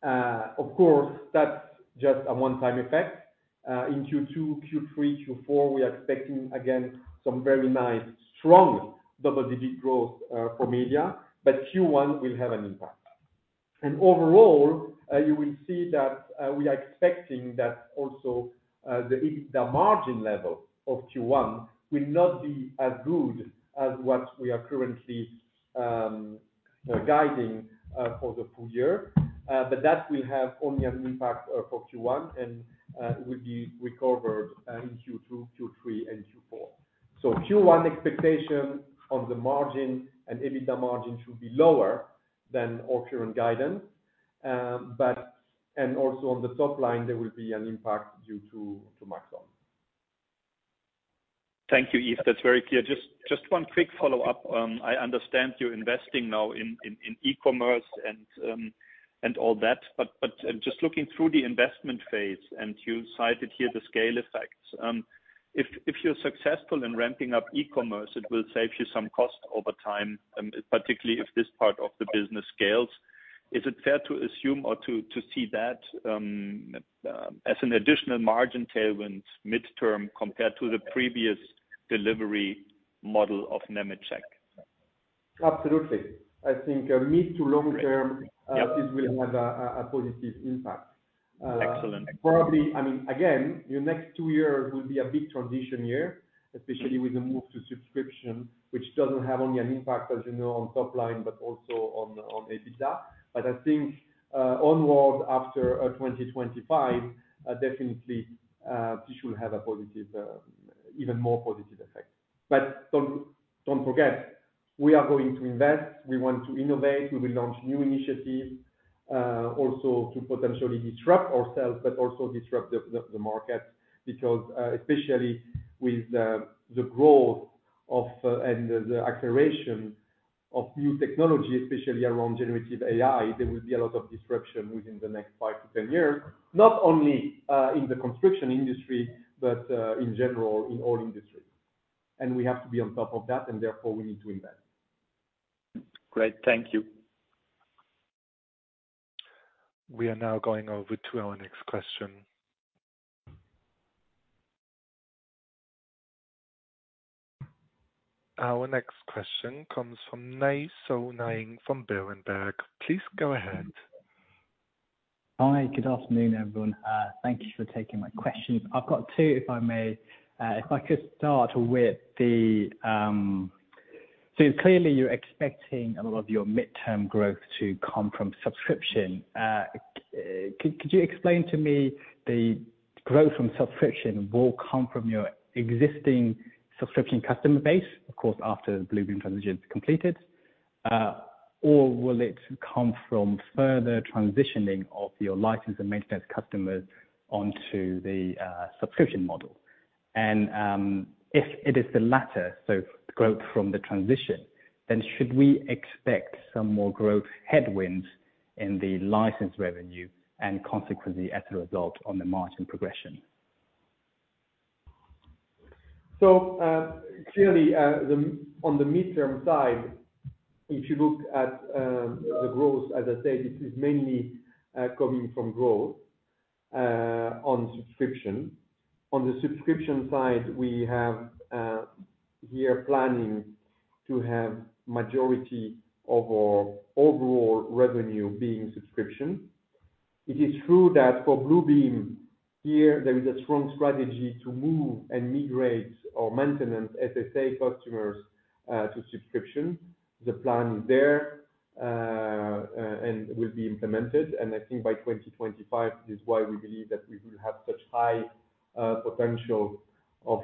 Of course, that's just a one-time effect. In Q2, Q3, Q4, we are expecting again some very nice strong double-digit growth for media, but Q1 will have an impact. Overall, you will see that we are expecting that also the margin level of Q1 will not be as good as what we are currently guiding for the full year. But that will have only an impact for Q1 and will be recovered in Q2, Q3, and Q4. Q1 expectation on the margin and EBITDA margin should be lower than our current guidance. Also on the top line, there will be an impact due to Maxon. Thank you, Yves. That's very clear. Just one quick follow-up. I understand you're investing now in e-commerce and all that, but just looking through the investment phase, and you cited here the scale effects. If you're successful in ramping up e-commerce, it will save you some cost over time, particularly if this part of the business scales. Is it fair to assume or to see that as an additional margin tailwind midterm compared to the previous delivery model of Nemetschek? Absolutely. I think, mid to long term. Great. Yep. This will have a positive impact. Excellent. Probably, I mean, again, your next two years will be a big transition year, especially with the move to subscription, which doesn't have only an impact, as you know, on top line, but also on EBITDA. I think onwards after 2025, definitely this will have a positive, even more positive effect. Don't forget, we are going to invest, we want to innovate. We will launch new initiatives also to potentially disrupt ourselves but also disrupt the market. Especially with the growth of and the acceleration of new technology, especially around generative AI, there will be a lot of disruption within the next 5-10 years. Not only in the construction industry, but in general in all industries. We have to be on top of that, and therefore, we need to invest. Great. Thank you. We are now going over to our next question. Our next question comes from Nay Soe Naing from Berenberg. Please go ahead. Hi. Good afternoon, everyone. Thank you for taking my questions. I've got two, if I may. If I could start with the, Clearly you're expecting a lot of your midterm growth to come from subscription. could you explain to me the growth from subscription will come from your existing subscription customer base, of course, after Bluebeam transition is completed, or will it come from further transitioning of your license and maintenance customers onto the subscription model? If it is the latter, so growth from the transition, should we expect some more growth headwinds in the license revenue and consequently as a result on the margin progression? Clearly, on the midterm side, if you look at the growth, as I said, it is mainly coming from growth on subscription. On the subscription side, we have here planning to have majority of our overall revenue being subscription. It is true that for Bluebeam, here, there is a strong strategy to move and migrate our maintenance SSA customers to subscription. The plan there and will be implemented, and I think by 2025, it is why we believe that we will have such high potential of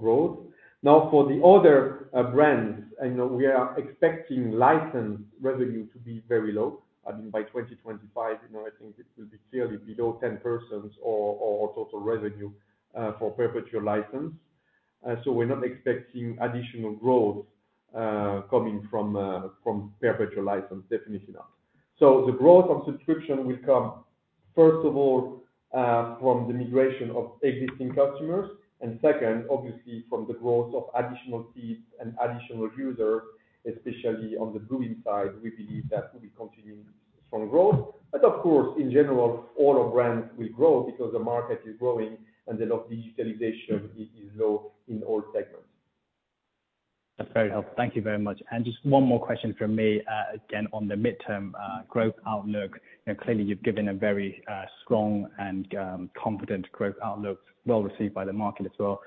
growth. Now, for the other brands, I know we are expecting licensed revenue to be very low. I mean, by 2025, you know, I think it will be clearly below 10% or total revenue for perpetual license. We're not expecting additional growth, coming from perpetual license, definitely not. The growth of subscription will come, first of all, from the migration of existing customers. Second, obviously, from the growth of additional seats and additional users, especially on the Bluebeam side, we believe that will be continuing strong growth. Of course, in general, all our brands will grow because the market is growing and the level of digitalization is low in all segments. That's very helpful. Thank you very much. Just one more question from me, again, on the midterm, growth outlook. You know, clearly you've given a very strong and confident growth outlook, well received by the market as well.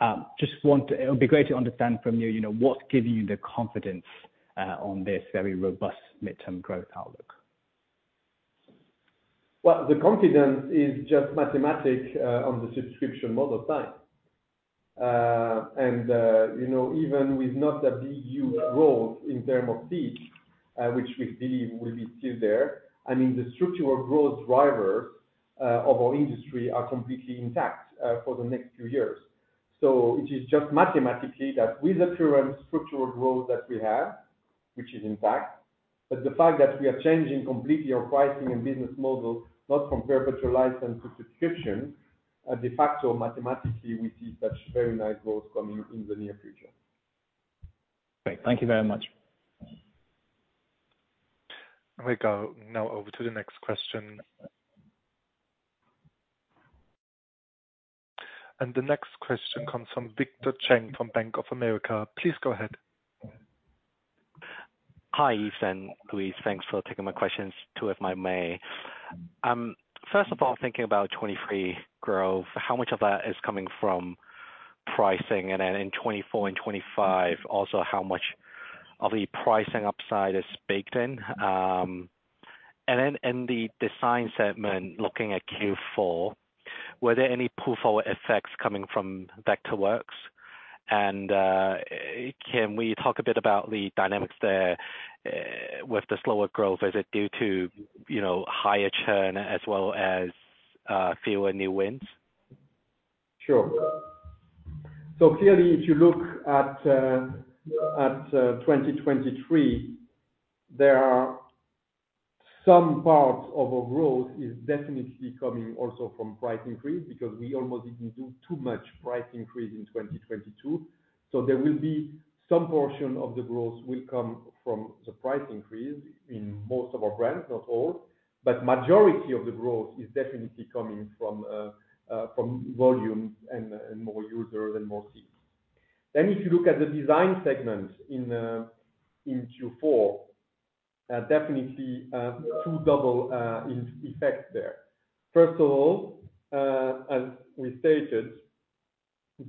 It would be great to understand from you know, what gives you the confidence on this very robust midterm growth outlook. The confidence is just mathematics on the subscription model side. You know, even with not a big growth in term of seats, which we believe will be still there, I mean, the structural growth drivers of our industry are completely intact for the next few years. It is just mathematically that with the current structural growth that we have, which is intact, the fact that we are changing completely our pricing and business model, not from perpetual license to subscription, de facto mathematically, we see such very nice growth coming in the near future. Great. Thank you very much. We go now over to the next question. The next question comes from Victor Cheng from Bank of America. Please go ahead. Hi, Yves and Louise. Thanks for taking my questions, two if I may. First of all, thinking about 2023 growth, how much of that is coming from pricing? In 2024 and 2025, also, how much of the pricing upside is baked in? In the design segment, looking at Q4, were there any pull-forward effects coming from Vectorworks? Can we talk a bit about the dynamics there, with the slower growth? Is it due to, you know, higher churn as well as, fewer new wins? Sure. Clearly, if you look at 2023, there are some parts of our growth is definitely coming also from price increase because we almost didn't do too much price increase in 2022. There will be some portion of the growth will come from the price increase in most of our brands, not all. Majority of the growth is definitely coming from volume and more users and more seats. If you look at the design segment in Q4, definitely two double effects there. First of all, as we stated,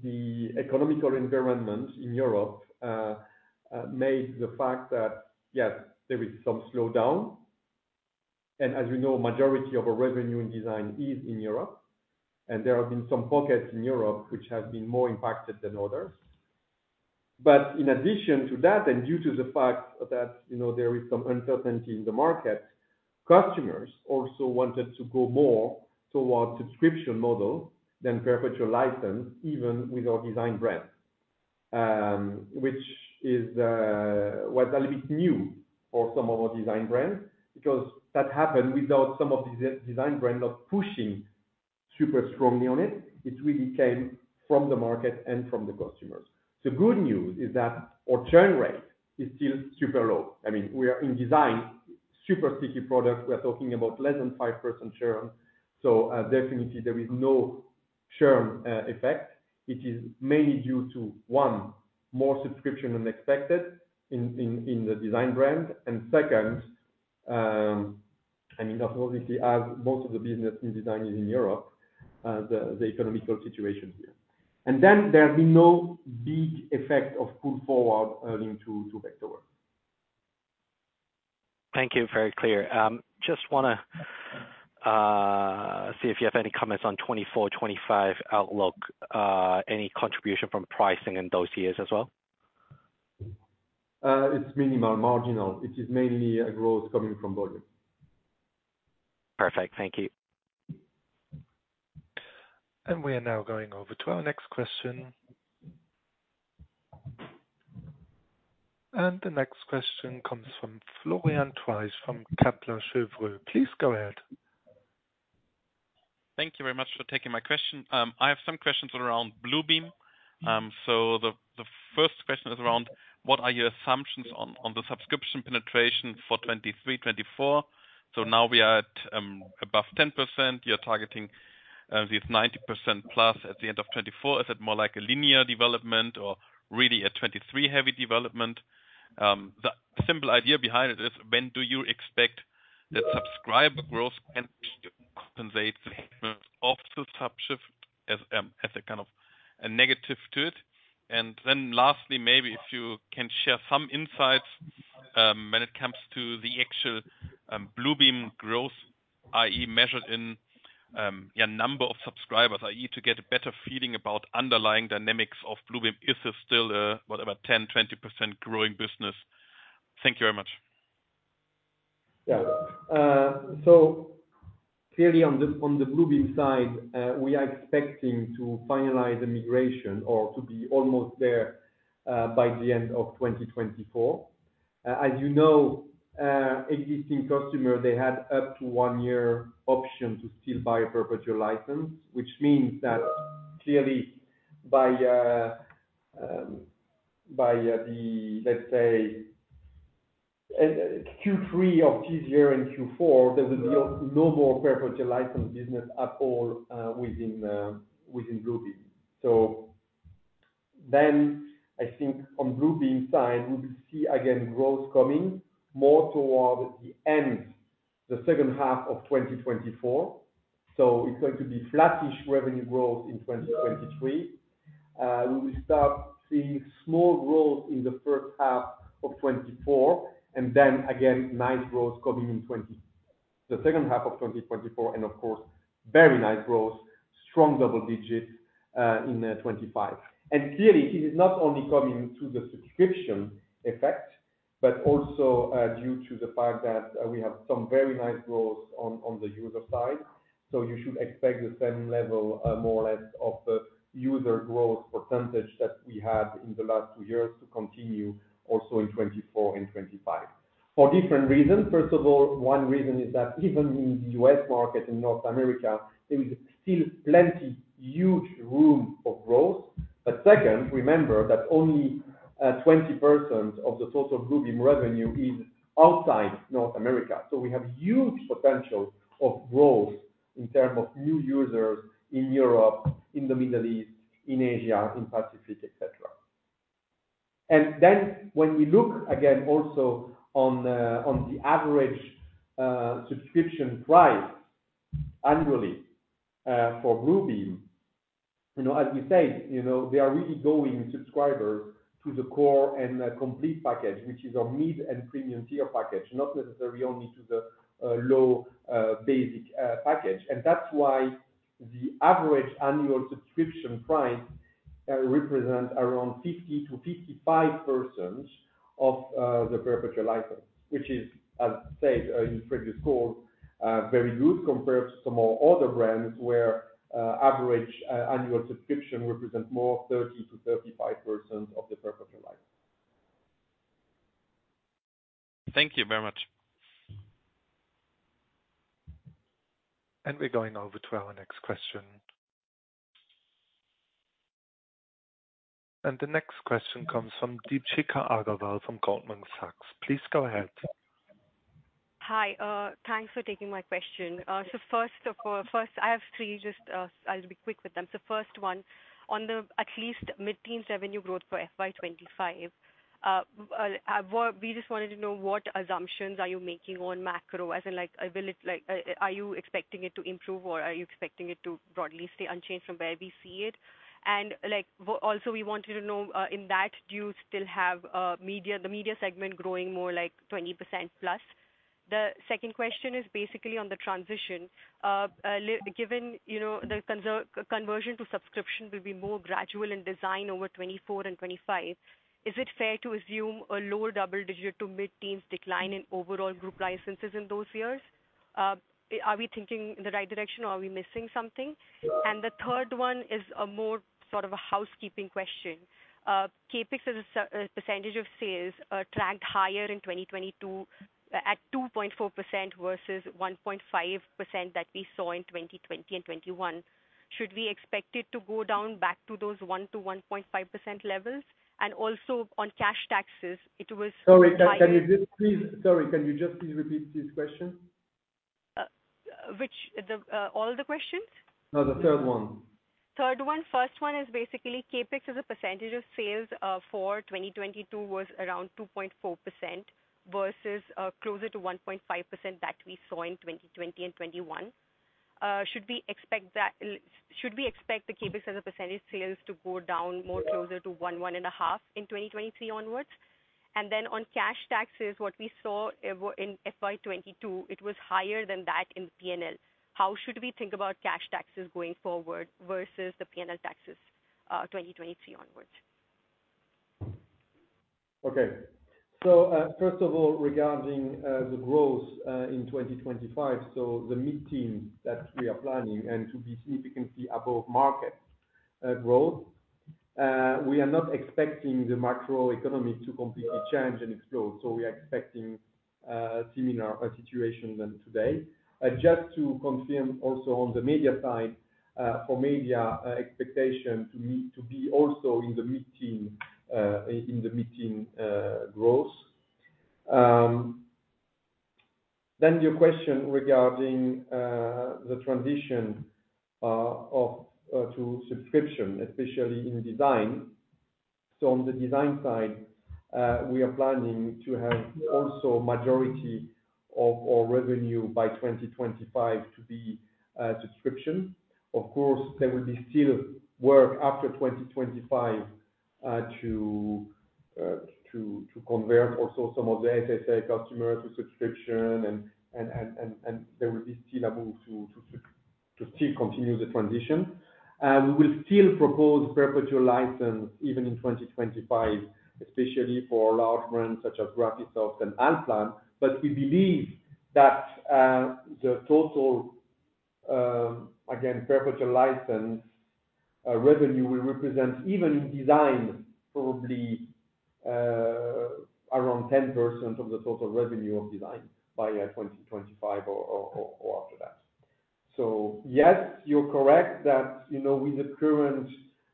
the economical environment in Europe made the fact that, yes, there is some slowdown. As you know, majority of our revenue in design is in Europe. There have been some pockets in Europe which have been more impacted than others. In addition to that, and due to the fact that, you know, there is some uncertainty in the market, customers also wanted to go more towards subscription model than perpetual license, even with our design brand, which is, was a little bit new for some of our design brands. Because that happened without some of the design brands not pushing super strongly on it. It really came from the market and from the customers. The good news is that our churn rate is still super low. I mean, we are in design, super sticky product. We are talking about less than 5% churn. Definitely there is no churn effect. It is mainly due to more subscription than expected in the design brand. Second, I mean, obviously as most of the business in design is in Europe, the economical situation here. Then there'll be no big effect of pull forward earning to Vectorworks. Thank you. Very clear. Just wanna see if you have any comments on 2024, 2025 outlook. Any contribution from pricing in those years as well? It's minimal, marginal. It is mainly a growth coming from volume. Perfect. Thank you. We are now going over to our next question. The next question comes from Florian Treisch from Kepler Cheuvreux. Please go ahead. Thank you very much for taking my question. I have some questions around Bluebeam. The first question is around what are your assumptions on the subscription penetration for 2023, 2024? Now we are at above 10%. You're targeting this 90%+ at the end of 2024. Is it more like a linear development or really a 2023 heavy development? The simple idea behind it is when do you expect the subscriber growth can compensate and then lastly, maybe if you can share some insights when it comes to extra Bluebeam growth in measure in your number of subscriber that you get a better feeding about underlying dynamics of fluid is still a what about 10%-15% growing business. Thank you very much. Yeah. So, Florian on the Bluebeam side we are expecting to finalize the migration or could be almost there by the end of 2024. As you know, existing customers they had up to one year options which means that by. We're going over to our next question. The next question comes from Deepshikha Agarwal from Goldman Sachs. Please go ahead. Hi, thanks for taking my question. First, I have three just, I'll be quick with them. First one, on the at least mid-teens revenue growth for FY 2025, we just wanted to know what assumptions are you making on macro as in will it, are you expecting it to improve, or are you expecting it to broadly stay unchanged from where we see it? Also, we wanted to know, in that, do you still have media, the media segment growing more like 20% +? The second question is basically on the transition. Given, you know, the conversion to subscription will be more gradual in design over 2024 and 2025, is it fair to assume a lower double digit to mid-teens decline in overall group licenses in those years? Are we thinking in the right direction or are we missing something? The third one is a more sort of a housekeeping question. CapEx as a percentage of sales tracked higher in 2022 at 2.4% versus 1.5% that we saw in 2020 and 2021. Should we expect it to go down back to those 1%-1.5% levels? Also on cash taxes. Sorry. Can you just please repeat this question? Which, the, all the questions? No, the third one. Third one. First one is basically CapEx as a percentage of sales, for 2022 was around 2.4% versus, closer to 1.5% that we saw in 2020 and 2021. Should we expect the CapEx as a percentage sales to go down more closer to 1.5 in 2023 onwards? On cash taxes, what we saw in FY 2022, it was higher than that in P&L. How should we think about cash taxes going forward versus the P&L taxes, 2023 onwards? Okay. First of all, regarding the growth in 2025, the mid-teen that we are planning, and to be significantly above market growth, we are not expecting the macro economy to completely change and explode. We are expecting a similar situation than today. Just to confirm also on the media side, for media expectation to me to be also in the mid-teen growth. Your question regarding the transition of to subscription, especially in design. On the design side, we are planning to have also majority of our revenue by 2025 to be subscription. Of course, there will be still work after 2025, to convert also some of the SSA customers to subscription and there will be still a move to still continue the transition. We will still propose perpetual license even in 2025, especially for large brands such as Graphisoft and Allplan. We believe that the total, again, perpetual license revenue will represent even in design, probably, around 10% of the total revenue of design by 2025 or after that. Yes, you're correct that, you know, with the current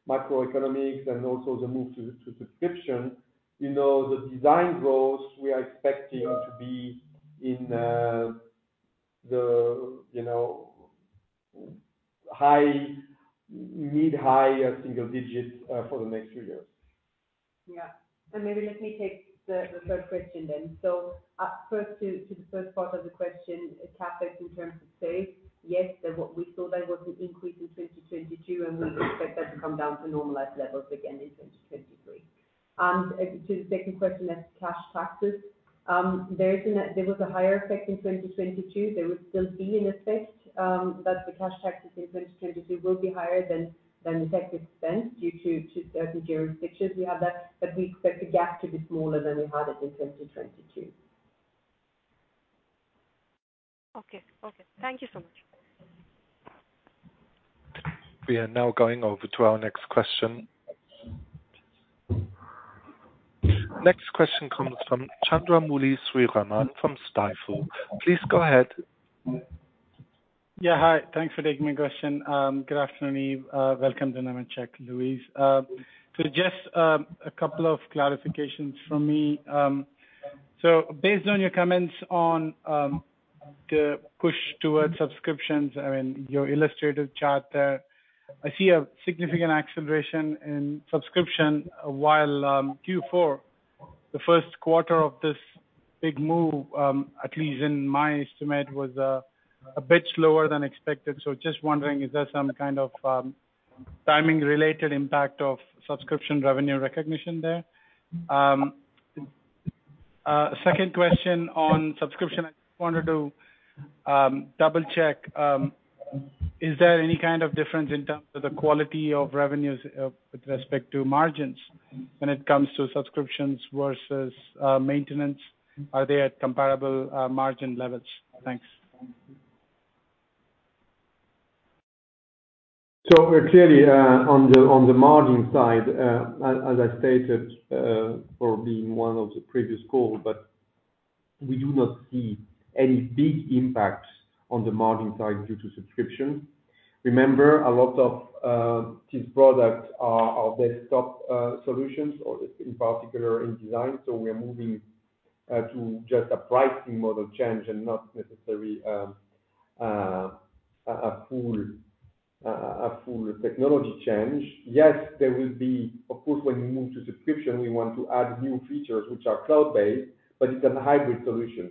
macroeconomics and also the move to subscription, you know, the design growth we are expecting to be in the, you know, high, mid-high single digits for the next few years. Maybe let me take the third question. First to the first part of the question, CapEx in terms of sales. Yes, we saw there was an increase in 2022, and we would expect that to come down to normalized levels again in 2023. To the second question as cash taxes, there was a higher effect in 2022. There will still be an effect, but the cash taxes in 2022 will be higher than the taxes spent due to certain jurisdictions. We have that, but we expect the gap to be smaller than we had it in 2022. Okay. Okay. Thank you so much. We are now going over to our next question. Next question comes from Chandramouli Sriraman from Stifel. Please go ahead. Yeah, hi. Thanks for taking my question. Good afternoon, Yves. Welcome, Nemetschek, Louise. Just a couple of clarifications from me. Based on your comments on the push towards subscriptions, I mean, your illustrative chart there, I see a significant acceleration in subscription while Q4, the first quarter of this big move, at least in my estimate, was a bit slower than expected. Just wondering, is there some kind of timing related impact of subscription revenue recognition there? Second question on subscription, I just wanted to double-check. Is there any kind of difference in terms of the quality of revenues with respect to margins when it comes to subscriptions versus maintenance? Are they at comparable margin levels? Thanks. We're clearly on the, on the margin side, as I stated, probably in one of the previous call, but we do not see any big impact on the margin side due to subscription. Remember, a lot of these products are desktop solutions or in particular in design. We are moving to just a pricing model change and not necessarily a full technology change. Yes, there will be, of course, when we move to subscription, we want to add new features which are cloud-based, but it's a hybrid solution.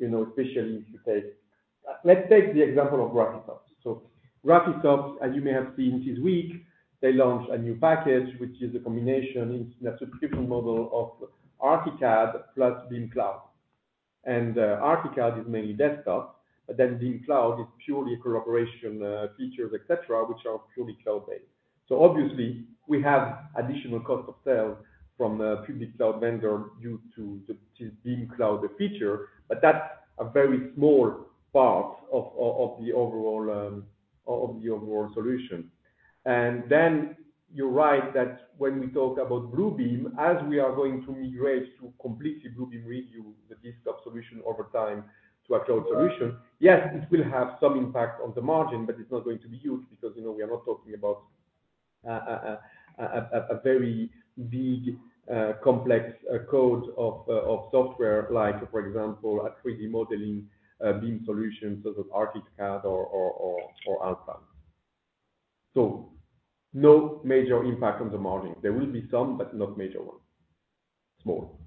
You know, especially if you take. Let's take the example of Graphisoft. Graphisoft, as you may have seen this week, they launched a new package, which is a combination in a subscription model of Archicad plus BIMcloud. Archicad is mainly desktop, but BIMcloud is purely collaboration features, et cetera, which are purely cloud-based. Obviously we have additional cost of sales from a public cloud vendor due to BIMcloud feature. That's a very small part of the overall solution. You're right that when we talk about Bluebeam, as we are going to migrate to completely Bluebeam Revu, the desktop solution over time to a cloud solution, it will have some impact on the margin, but it's not going to be huge because, you know, we are not talking about a very big complex code of software, like for example, a 3D modeling BIM solution such as Archicad or Allplan. No major impact on the margin. There will be some, but not major one. Small.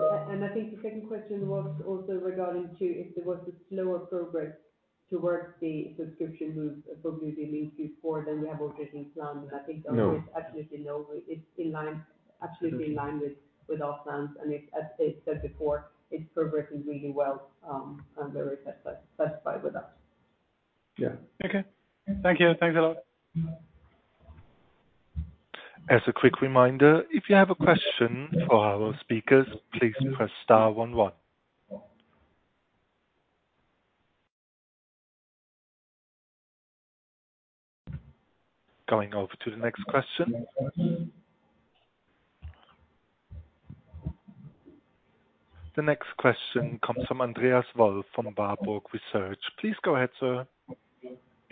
I think the second question was also regarding to if there was a slower progress towards the subscription. No. I think there is absolutely no way. It's in line, absolutely in line with our plans. As said before, it's progressing really well, and very satisfied with that. Yeah. Okay. Thank you. Thanks a lot. As a quick reminder, if you have a question for our speakers, please press star one one. Going over to the next question. The next question comes from Andreas Wolf from Warburg Research. Please go ahead, sir.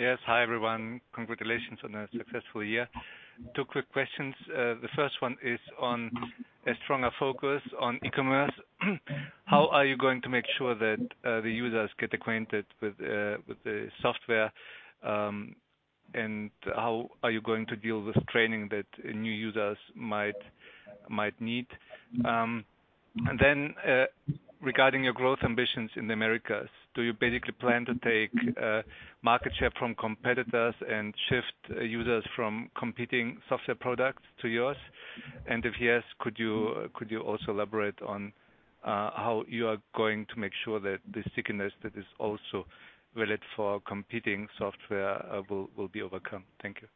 Yes. Hi, everyone. Congratulations on a successful year. Two quick questions. The first one is on a stronger focus on e-commerce. How are you going to make sure that the users get acquainted with the software? How are you going to deal with training that new users might need? Regarding your growth ambitions in the Americas, do you basically plan to take market share from competitors and shift users from competing software products to yours? If yes, could you also elaborate on how you are going to make sure that the stickiness that is also valid for competing software will be overcome? Thank you.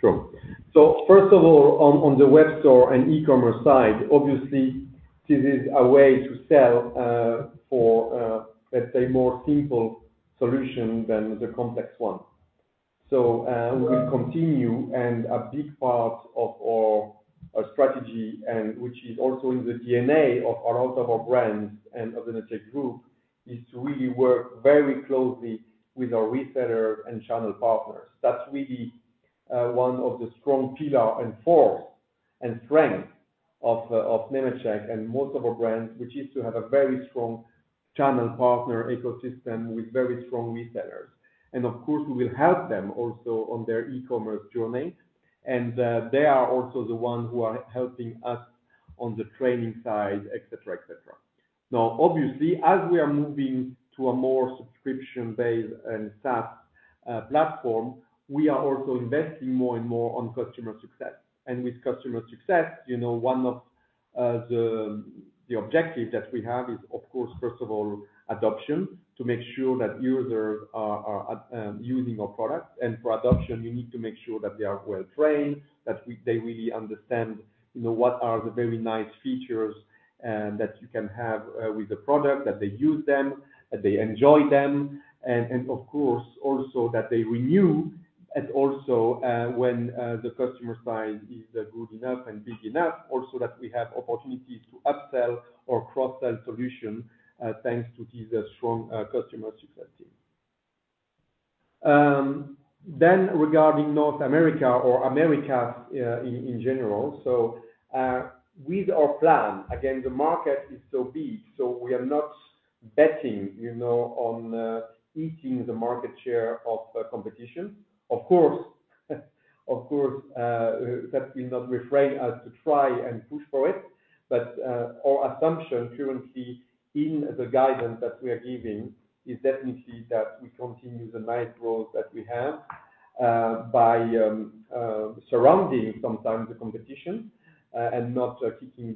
Sure. First of all, on the web store and e-commerce side, obviously this is a way to sell for, let's say, more simple solution than the complex one. We continue and a big part of our strategy and which is also in the DNA of all of our brands and of the Nemetschek Group, is to really work very closely with our resellers and channel partners. That's really one of the strong pillar and force and strength of Nemetschek and most of our brands, which is to have a very strong channel partner ecosystem with very strong resellers. Of course, we will help them also on their e-commerce journey. They are also the ones who are helping us on the training side, et cetera, et cetera. Now, obviously, as we are moving to a more subscription-based and SaaS platform, we are also investing more and more on customer success. With customer success, you know, one of the objective that we have is of course, first of all, adoption to make sure that users are using our product. For adoption, you need to make sure that they are well trained, that they really understand, you know, what are the very nice features that you can have with the product, that they use them, that they enjoy them, and of course, also that they renew. Also, when the customer size is good enough and big enough also that we have opportunities to upsell or cross-sell solution thanks to this strong customer success team. Regarding North America or Americas, in general. With our plan, again, the market is so big, we are not betting, you know, on eating the market share of competition. Of course, that will not refrain us to try and push for it. Our assumption currently in the guidance that we are giving is definitely that we continue the nice growth that we have by surrounding sometimes the competition and not keeping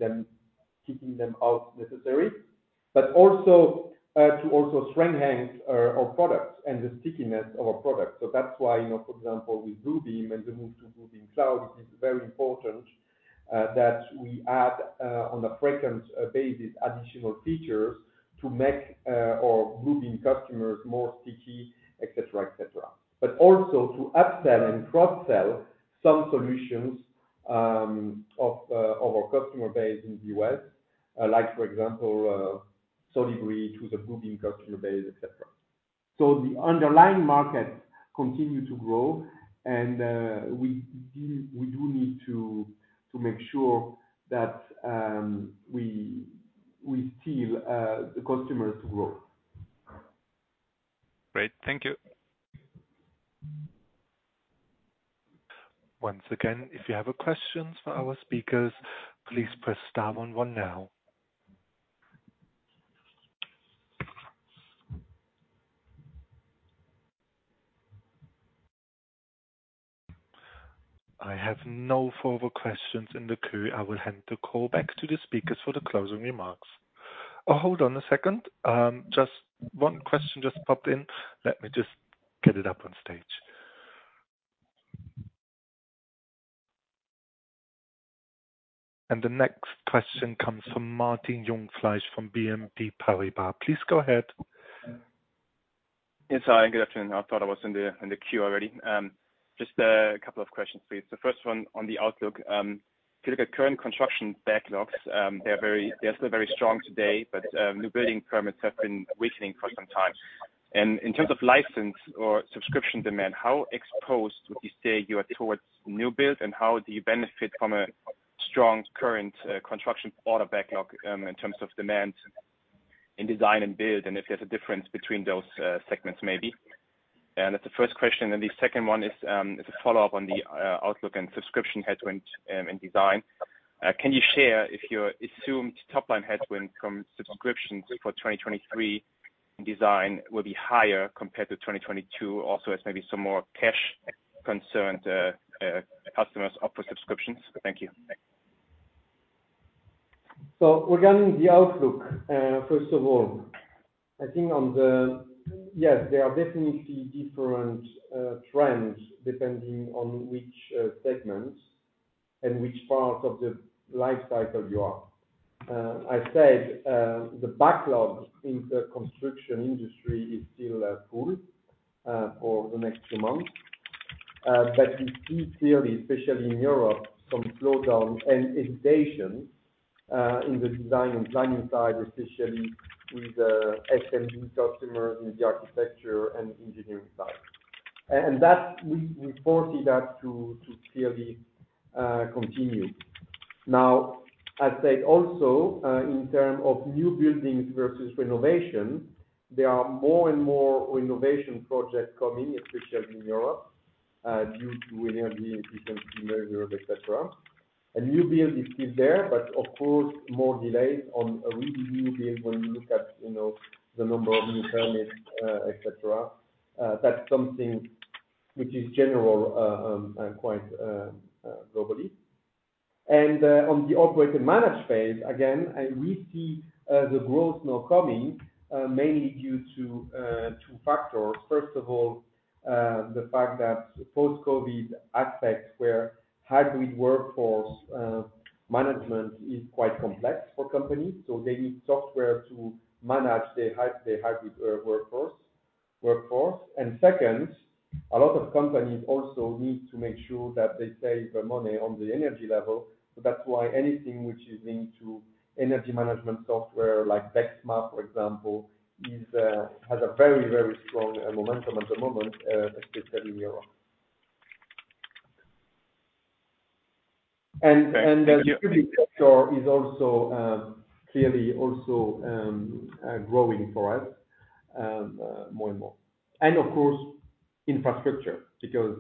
them out necessary. Also, to also strengthen our products and the stickiness of our products. That's why, you know, for example, with Bluebeam and the move to Bluebeam Cloud, it is very important that we add on a frequent basis, additional features to make our Bluebeam customers more sticky, et cetera, et cetera. Also to upsell and cross-sell some solutions of our customer base in the U.S., like for example, Solibri to the Bluebeam customer base, et cetera. The underlying markets continue to grow and we do need to make sure that we steal the customers' growth. Great. Thank you. Once again, if you have a questions for our speakers, please press star one one now. I have no further questions in the queue. I will hand the call back to the speakers for the closing remarks. Oh, hold on a second. just one question just popped in. Let me just get it up on stage. The next question comes from Martin Jungfleisch from BNP Paribas. Please go ahead. Yes. Hi, good afternoon. I thought I was in the queue already. Just a couple of questions, please. The first one on the outlook. If you look at current construction backlogs, they're still very strong today, but new building permits have been weakening for some time. In terms of license or subscription demand, how exposed would you say you are towards new builds, and how do you benefit from a strong current construction order backlog in terms of demand in design and build, and if there's a difference between those segments, maybe? That's the first question. The second one is a follow-up on the outlook and subscription headwind in design. Can you share if your assumed top-line headwind from subscriptions for 2023 in design will be higher compared to 2022? Also, as maybe some more cash concerned customers opt for subscriptions. Thank you. Regarding the outlook, first of all, I think on the. Yes, there are definitely different trends depending on which segments and which part of the life cycle you are. I said, the backlog in the construction industry is still full for the next two months. We see clearly, especially in Europe, some slowdown and hesitation in the design and planning side, especially with the SMB customers in the architecture and engineering side. That we foresee that to clearly continue. I said also, in term of new buildings versus renovation, there are more and more renovation projects coming, especially in Europe, due to energy efficiency measures, et cetera. New build is still there, but of course, more delays on a really new build when you look at, you know, the number of new permits, et cetera. That's something which is general, quite globally. On the operate and manage phase, again, we see the growth now coming mainly due to two factors. First of all, the fact that post-COVID aspects where hybrid workforce management is quite complex for companies, so they need software to manage the hybrid workforce. Second, a lot of companies also need to make sure that they save their money on the energy level. That's why anything which is linked to energy management software like DEXMA, for example, is has a very, very strong momentum at the moment, especially in Europe. Thank you. The public sector is also clearly also growing for us more and more. Of course, infrastructure, because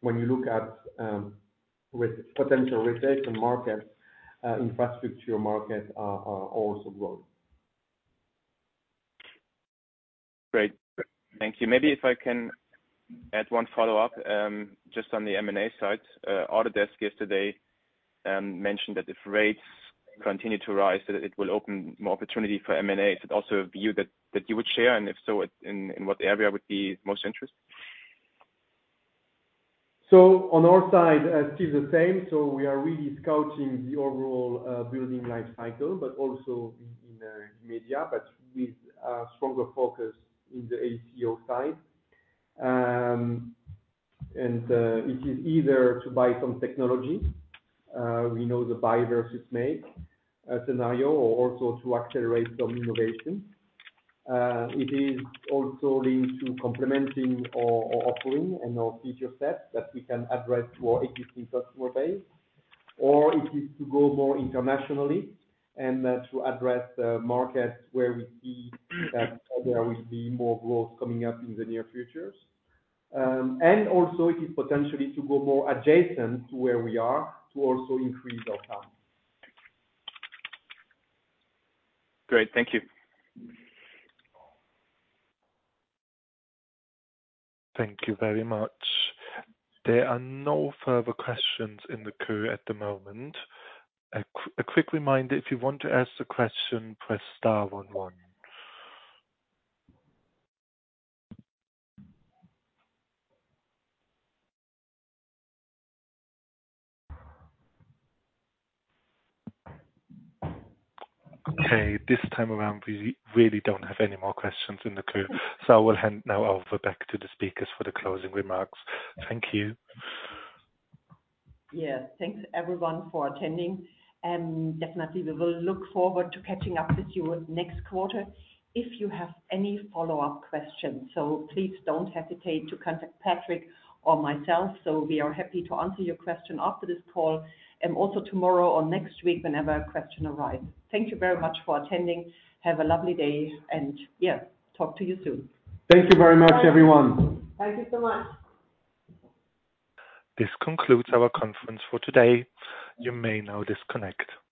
when you look at with potential rotation markets, infrastructure markets are also growing. Great. Thank you. Maybe if I can add one follow-up, just on the M&A side. Autodesk yesterday mentioned that if rates continue to rise, that it will open more opportunity for M&A. Is it also a view that you would share? If so, in what area would be most interest? On our side, still the same. We are really scouting the overall building life cycle, but also in media, but with a stronger focus in the AEC/O side. It is either to buy some technology, we know the buy versus make scenario, or also to accelerate some innovation. It is also linked to complementing our offering and our feature set that we can address to our existing customer base. It is to go more internationally and to address the markets where we see that there will be more growth coming up in the near futures. Also it is potentially to go more adjacent to where we are to also increase our TAM. Great. Thank you. Thank you very much. There are no further questions in the queue at the moment. A quick reminder, if you want to ask a question, press star one one. This time around, we really don't have any more questions in the queue, I will hand now over back to the speakers for the closing remarks. Thank you. Yes. Thanks everyone for attending. Definitely we will look forward to catching up with you next quarter if you have any follow-up questions. Please don't hesitate to contact Patrick or myself. We are happy to answer your question after this call and also tomorrow or next week whenever a question arrives. Thank you very much for attending. Have a lovely day, and yeah, talk to you soon. Thank you very much, everyone. Thank you so much. This concludes our conference for today. You may now disconnect.